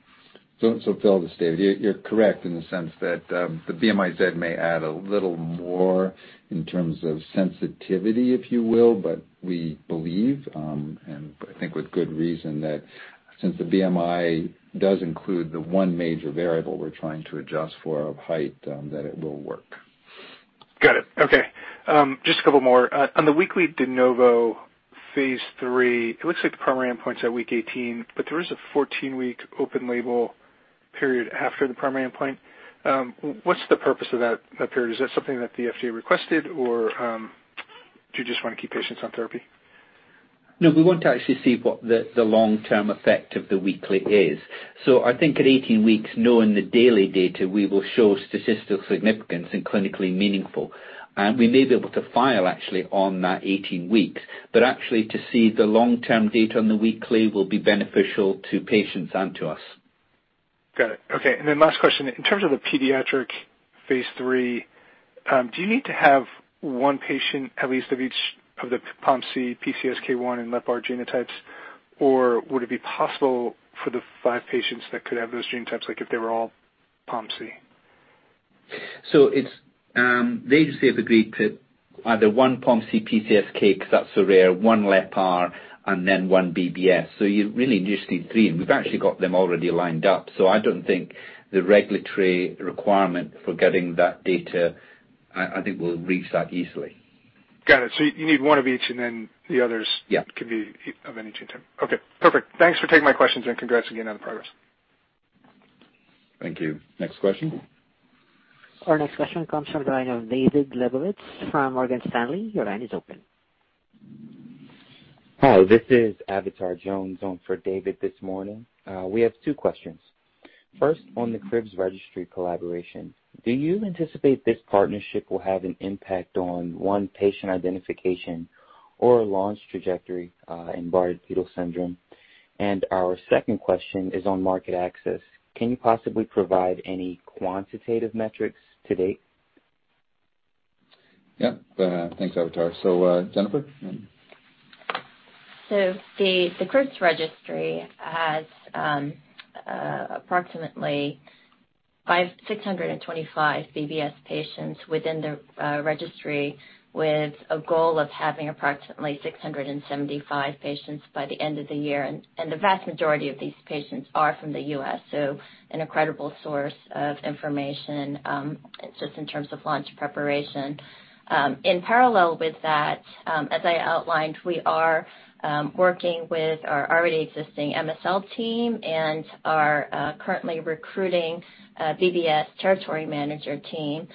Phil, this is David. You're correct in the sense that the BMI-Z may add a little more in terms of sensitivity, if you will, but we believe, and I think with good reason, that since the BMI does include the one major variable we're trying to adjust for, of height, that it will work. Got it. Okay. Just a couple more. On the weekly de novo phase III, it looks like the primary endpoint's at week 18, there is a 14-week open label period after the primary endpoint. What's the purpose of that period? Is that something that the FDA requested, or do you just want to keep patients on therapy? No, we want to actually see what the long-term effect of the weekly is. I think at 18 weeks, knowing the daily data, we will show statistical significance and clinically meaningful. We may be able to file actually on that 18 weeks, but actually to see the long-term data on the weekly will be beneficial to patients and to us. Got it. Okay. Last question, in terms of the pediatric phase III, do you need to have one patient, at least of each of the POMC, PCSK1 and LEPR genotypes? Or would it be possible for the five patients that could have those genotypes, like if they were all POMC? The agency have agreed to either one POMC PCSK1, because that's so rare, one LEPR, and then one BBS. You really just need three, and we've actually got them already lined up, so I don't think the regulatory requirement for getting that data, I think we'll reach that easily. Got it. You need one of each and then, the others- Yeah. can be of any genotype. Okay, perfect. Thanks for taking my questions and congrats again on the progress. Thank you. Next question. Our next question comes from the line of David Lebowitz from Morgan Stanley. Your line is open. Hi, this is Avatar Jones on for David this morning. We have two questions. First, on the CRIBBS Registry collaboration, do you anticipate this partnership will have an impact on one patient identification or launch trajectory in Bardet-Biedl syndrome? Our second question is on market access. Can you possibly provide any quantitative metrics to date? Yeah. Thanks, Avatar. Jennifer? The CRIBBS Registry has approximately 625 BBS patients within the registry with a goal of having approximately 675 patients by the end of the year. The vast majority of these patients are from the U.S., so an incredible source of information, just in terms of launch preparation. In parallel with that, as I outlined, we are working with our already existing MSL team and are currently recruiting a BBS territory manager team.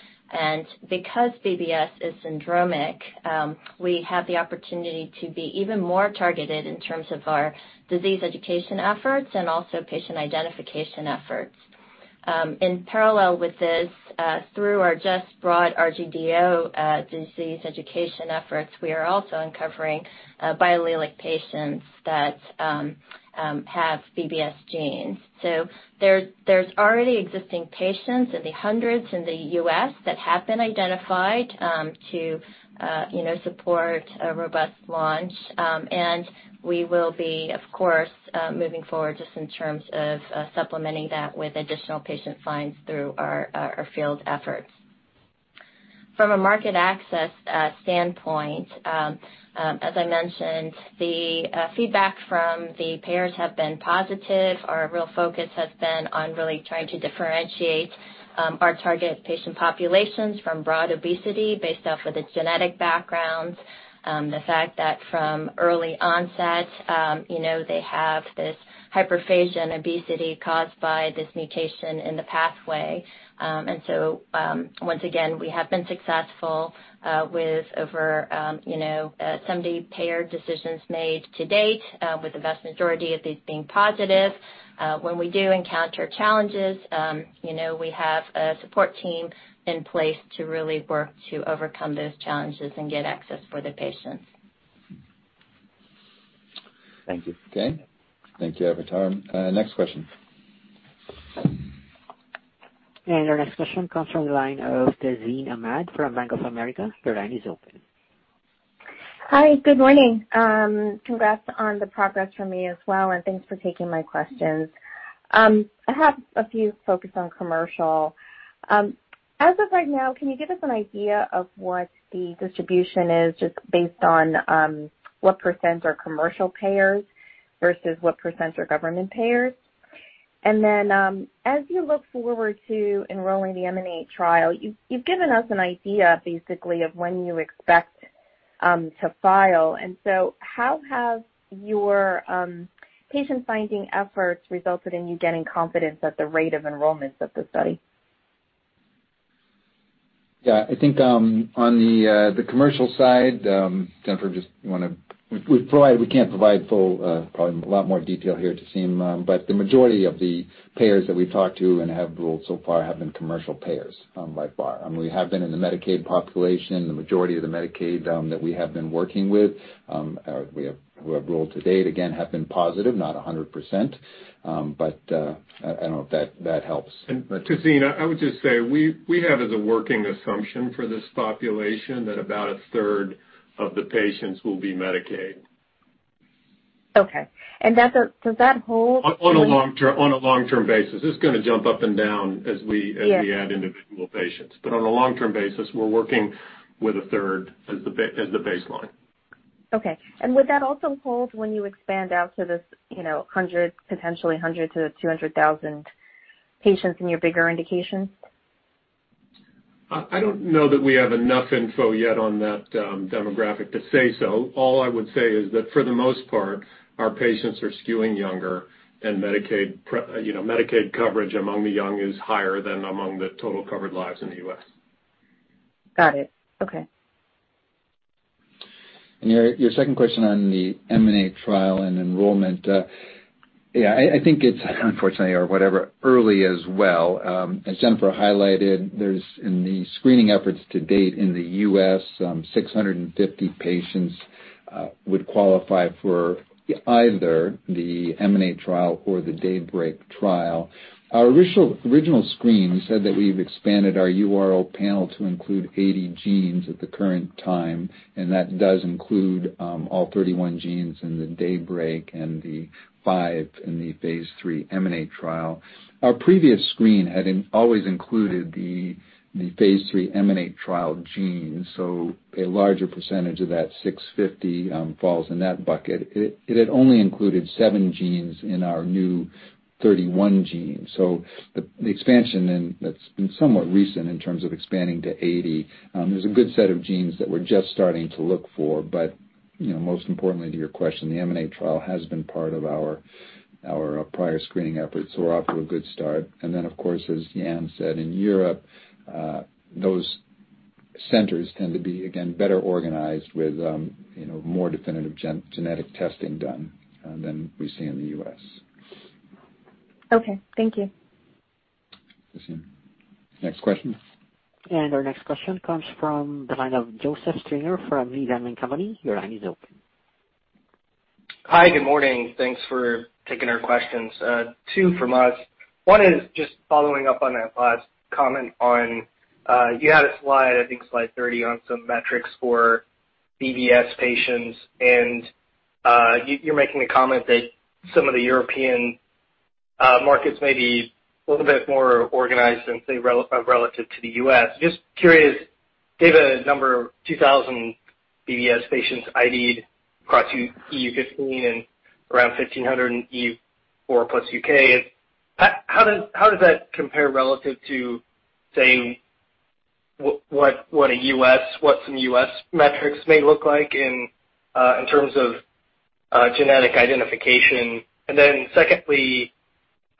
Because BBS is syndromic, we have the opportunity to be even more targeted in terms of our disease education efforts and also patient identification efforts. In parallel with this, through our just broad RGDO disease education efforts, we are also uncovering biallelic patients that have BBS genes. There's already existing patients in the hundreds in the U.S. that have been identified to support a robust launch. We will be, of course, moving forward just in terms of supplementing that with additional patient finds through our field efforts. From a market access standpoint, as I mentioned, the feedback from the payers have been positive. Our real focus has been on really trying to differentiate our target patient populations from broad obesity based off of the genetic backgrounds. The fact that from early onset, they have this hyperphagia and obesity caused by this mutation in the pathway. Once again, we have been successful with over 70 payer decisions made to date, with the vast majority of these being positive. When we do encounter challenges, we have a support team in place to really work to overcome those challenges and get access for the patients. Thank you. Okay. Thank you, Avatar. Next question. Our next question comes from the line of Tazeen Ahmad from Bank of America. Your line is open. Hi. Good morning. Congrats on the progress from me as well, and thanks for taking my questions. I have a few focused on commercial. As of right now, can you give us an idea of what the distribution is, just based on what percent are commercial payers versus what percent are government payers? As you look forward to enrolling the EMANATE trial, you've given us an idea basically of when you expect to file. How have your patient-finding efforts resulted in you getting confidence at the rate of enrollment of the study? Yeah, I think on the commercial side, Jennifer, We can't provide full, probably a lot more detail here, Tazeen, but the majority of the payers that we've talked to and have ruled so far have been commercial payers, by far. We have been in the Medicaid population. The majority of the Medicaid that we have been working with, who have ruled to date, again, have been positive, not 100%, but I don't know if that helps. Tazeen, I would just say, we have as a working assumption for this population that about a third of the patients will be Medicaid. Okay. Does that hold- On a long-term basis. It's going to jump up and down as we add individual patients. On a long-term basis, we're working with a third as the baseline. Okay. Would that also hold when you expand out to this potentially 100,000-200,000 patients in your bigger indications? I don't know that we have enough info yet on that demographic to say so. All I would say is that for the most part, our patients are skewing younger, and Medicaid coverage among the young is higher than among the total covered lives in the U.S. Got it. Okay. Your second question on the EMANATE trial and enrollment. I think it's early as well. As Jennifer Chen highlighted, there's in the screening efforts to date in the U.S., 650 patients would qualify for either the EMANATE trial or the DAYBREAK trial. Our original screen said that we've expanded our URO panel to include 80 genes at the current time, and that does include all 31 genes in the DAYBREAK and the five in the phase III EMANATE trial. Our previous screen had always included the phase III EMANATE trial gene, a larger percentage of that 650 falls in that bucket. It had only included seven genes in our new 31 genes. The expansion, and that's been somewhat recent in terms of expanding to 80. There's a good set of genes that we're just starting to look for, but most importantly to your question, the EMANATE trial has been part of our prior screening efforts. We're off to a good start. Of course, as Yann said, in Europe, those centers tend to be, again, better organized with more definitive genetic testing done than we see in the U.S. Okay. Thank you. Next question. Our next question comes from the line of Joseph Stringer from Needham & Company. Your line is open. Hi, good morning. Thanks for taking our questions. Two from us. One is just following up on that last comment on, you had a slide, I think slide 30, on some metrics for BBS patients, and you're making a comment that some of the European markets may be a little bit more organized than, say, relative to the U.S. Just curious, gave a number 2,000 BBS patients ID'd across EU 15 and around 1,500 in EU 4 plus U.K. How does that compare relative to, saying, what some U.S. metrics may look like in terms of genetic identification? Secondly,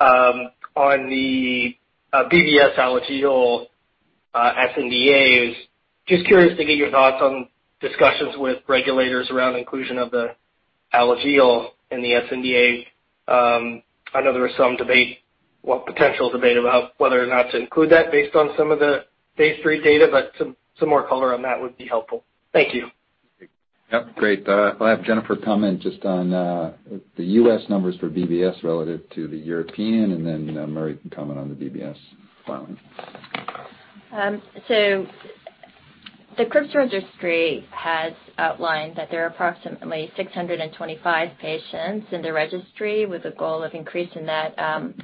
on the BBS and Alström sNDAs, just curious to get your thoughts on discussions with regulators around inclusion of the Alström in the SNDA. I know there was some potential debate about whether or not to include that based on some of the phase III data, some more color on that would be helpful. Thank you. Yep. Great. I'll have Jennifer comment just on the U.S. numbers for BBS relative to the European, and then Murray can comment on the BBS filing. The CRIBBS registry has outlined that there are approximately 625 patients in the registry with a goal of increasing that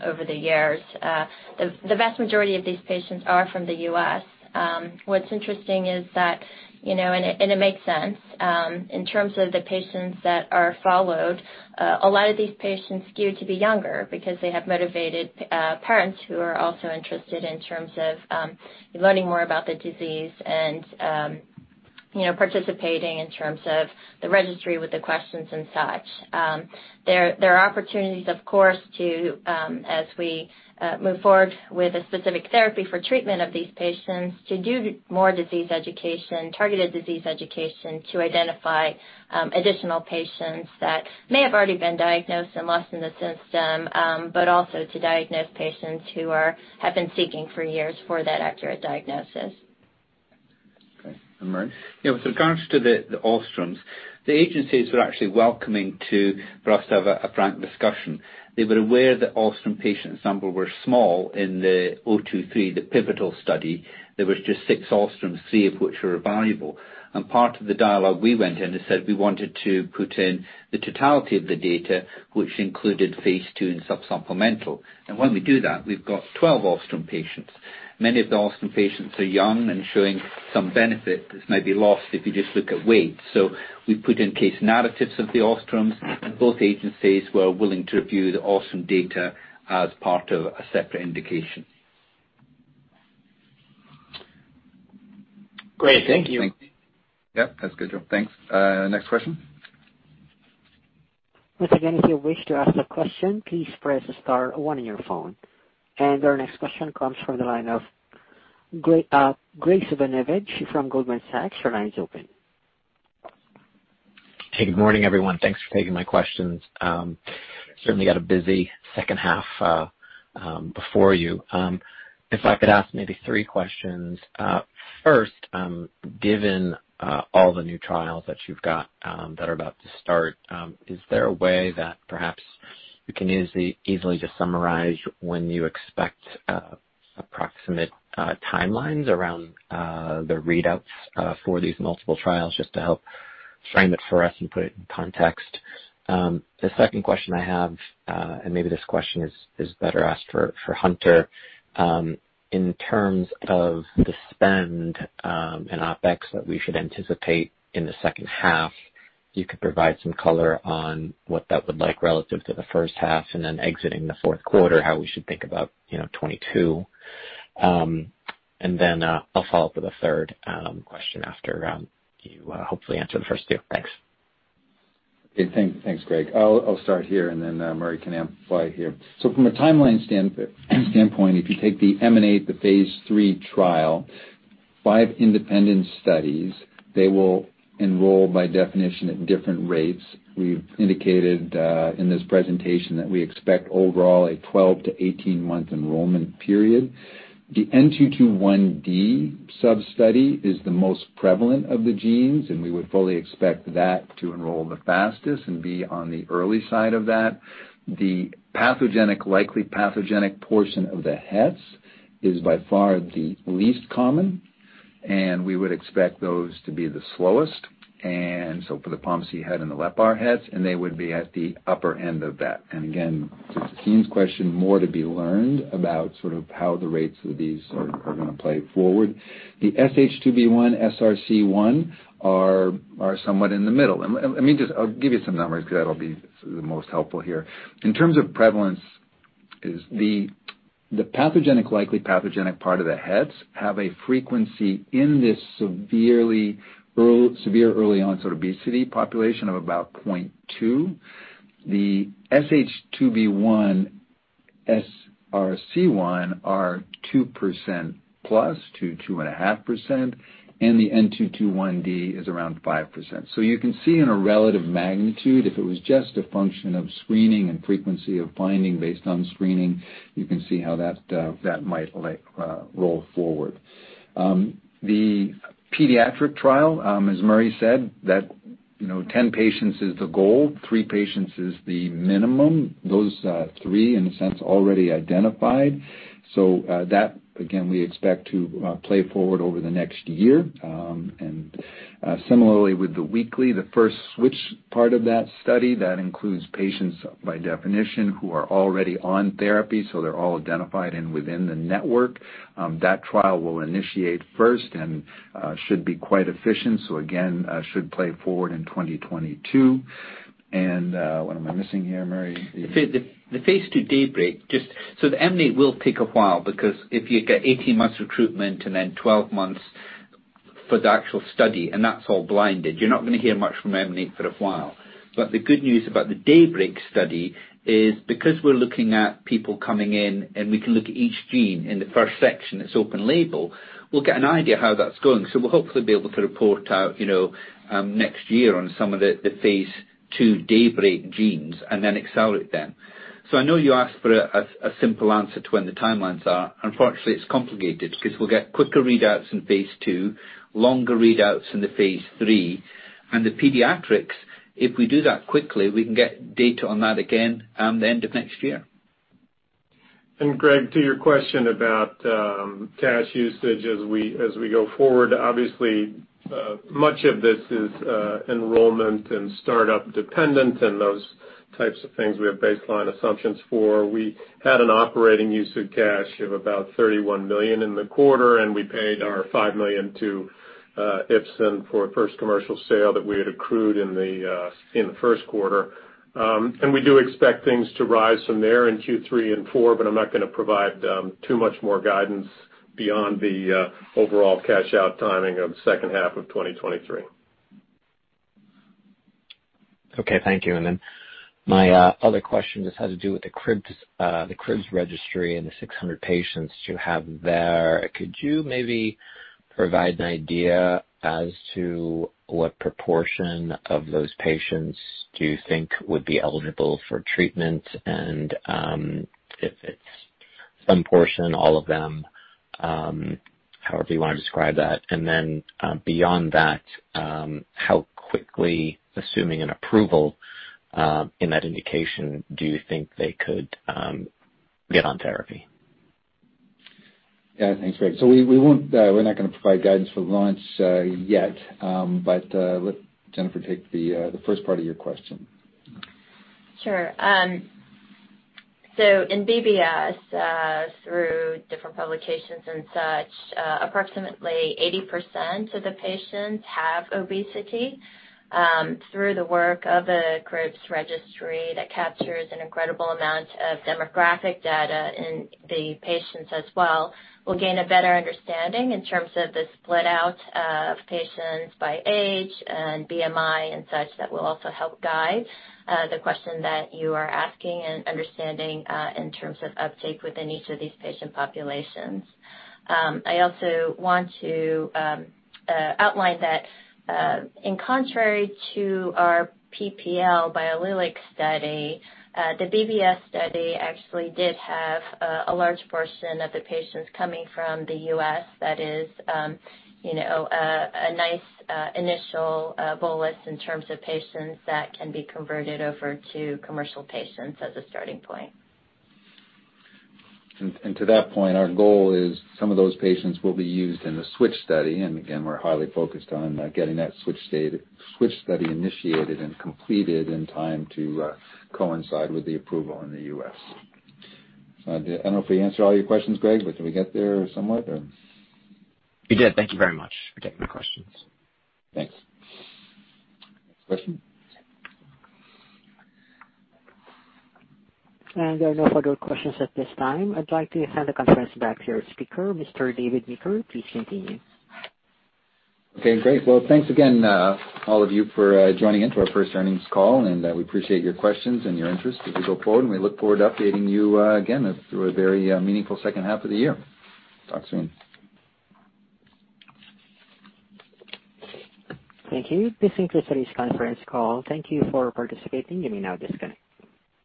over the years. The vast majority of these patients are from the U.S. What's interesting is that, and it makes sense, in terms of the patients that are followed, a lot of these patients skew to be younger because they have motivated parents who are also interested in terms of learning more about the disease. Participating in terms of the registry with the questions and such. There are opportunities, of course, to, as we move forward with a specific therapy for treatment of these patients, to do more disease education, targeted disease education, to identify additional patients that may have already been diagnosed and lost in the system, but also to diagnose patients who have been seeking for years for that accurate diagnosis. Okay. Murray? With regards to the Alström, the agencies were actually welcoming to for us to have a frank discussion. They were aware that Alström patient sample were small in the 023, the pivotal study. There was just six Alströms, three of which were evaluable. Part of the dialogue we went in and said we wanted to put in the totality of the data, which included phase II and sub-supplemental. When we do that, we've got 12 Alström patients. Many of the Alström patients are young and showing some benefit that may be lost if you just look at weight. We put in case narratives of the Alströms, and both agencies were willing to review the Alström data as part of a separate indication. Great. Thank you. Yeah, that's a good job. Thanks. Next question. One again, if you wish to ask a question, please press star one on your phone. Our next question comes from the line of Graig Suvannavejh from Goldman Sachs. Your line is open. Hey, good morning, everyone. Thanks for taking my questions. Certainly got a busy second half before you. If I could ask maybe three questions. First, given all the new trials that you've got that are about to start, is there a way that perhaps you can easily just summarize when you expect approximate timelines around the readouts for these multiple trials just to help frame it for us and put it in context? The second question I have, and maybe this question is better asked for Hunter, in terms of the spend in OpEx that we should anticipate in the second half, you could provide some color on what that would like relative to the first half, then exiting the fourth quarter, how we should think about 2022. Then, I'll follow up with a third question after you hopefully answer the first two. Thanks. Okay. Thanks, Graig. I'll start here and then Murray can amplify here. From a timeline standpoint, if you take the EMANATE, the phase III trial, five independent studies, they will enroll by definition at different rates. We've indicated in this presentation that we expect overall a 12-18 month enrollment period. The N221D sub-study is the most prevalent of the genes, and we would fully expect that to enroll the fastest and be on the early side of that. The pathogenic, likely pathogenic portion of the hets is by far the least common, and we would expect those to be the slowest. For the POMC het and the LEPR hets, they would be at the upper end of that. Again, to Steve's question, more to be learned about sort of how the rates of these are going to play forward. The SH2B1 SRC1 are somewhat in the middle. I'll give you some numbers because that'll be the most helpful here. In terms of prevalence, the pathogenic, likely pathogenic part of the hets have a frequency in this severe early onset obesity population of about 0.2. The SH2B1 SRC1 are 2% plus to 2.5%, and the N221D is around 5%. You can see in a relative magnitude, if it was just a function of screening and frequency of finding based on screening, you can see how that might roll forward. The pediatric trial, as Murray said, that 10 patients is the goal, three patients is the minimum. Those three in a sense already identified. That, again, we expect to play forward over the next year. Similarly with the weekly, the first switch part of that study, that includes patients by definition who are already on therapy, so they're all identified and within the network. That trial will initiate first and should be quite efficient. Again, should play forward in 2022. What am I missing here, Murray? The phase II DAYBREAK. The EMANATE will take a while because if you get 18 months recruitment and then 12 months for the actual study, and that's all blinded, you're not going to hear much from EMANATE for a while. The good news about the DAYBREAK study is because we're looking at people coming in and we can look at each gene in the first section that's open label, we'll get an idea how that's going. We'll hopefully be able to report out next year on some of the phase II DAYBREAK genes and then accelerate them. I know you asked for a simple answer to when the timelines are. Unfortunately, it's complicated because we'll get quicker readouts in phase II, longer readouts in the phase III. The pediatrics, if we do that quickly, we can get data on that again the end of next year. Graig, to your question about cash usage as we go forward, obviously much of this is enrollment and startup dependent and those types of things we have baseline assumptions for. We had an operating use of cash of about $31 million in the quarter, and we paid our $5 million to Ipsen for first commercial sale that we had accrued in the first quarter. We do expect things to rise from there in Q3 and Q4, but I'm not going to provide too much more guidance beyond the overall cash out timing of second half of 2023. Okay. Thank you. My other question just has to do with the CRIBBS registry and the 600 patients you have there. Could you maybe provide an idea as to what proportion of those patients do you think would be eligible for treatment, and if it's some portion, all of them, however you want to describe that? Beyond that, how quickly, assuming an approval in that indication, do you think they could get on therapy? Yeah. Thanks, Graig. We're not going to provide guidance for launch yet. Let Jennifer take the first part of your question. Sure. In BBS, through different publications and such, approximately 80% of the patients have obesity. Through the work of the CRIBBS registry that captures an incredible amount of demographic data in the patients as well, we'll gain a better understanding in terms of the split out of patients by age and BMI and such that will also help guide the question that you are asking and understanding, in terms of uptake within each of these patient populations. I also want to outline that, in contrary to our PPL biallelic study, the BBS study actually did have a large portion of the patients coming from the U.S. That is a nice initial bolus in terms of patients that can be converted over to commercial patients as a starting point. To that point, our goal is some of those patients will be used in the switch study. Again, we're highly focused on getting that switch study initiated and completed in time to coincide with the approval in the U.S. I don't know if we answered all your questions, Graig, but did we get there somewhat? You did. Thank you very much for taking the questions. Thanks. Next question? There are no further questions at this time. I'd like to hand the conference back to your speaker, Mr. David Meeker. Please continue. Okay, great. Well, thanks again, all of you, for joining in to our first earnings call, and we appreciate your questions and your interest as we go forward, and we look forward to updating you again through a very meaningful second half of the year. Talk soon. Thank you. This concludes today's conference call. Thank you for participating. You may now disconnect.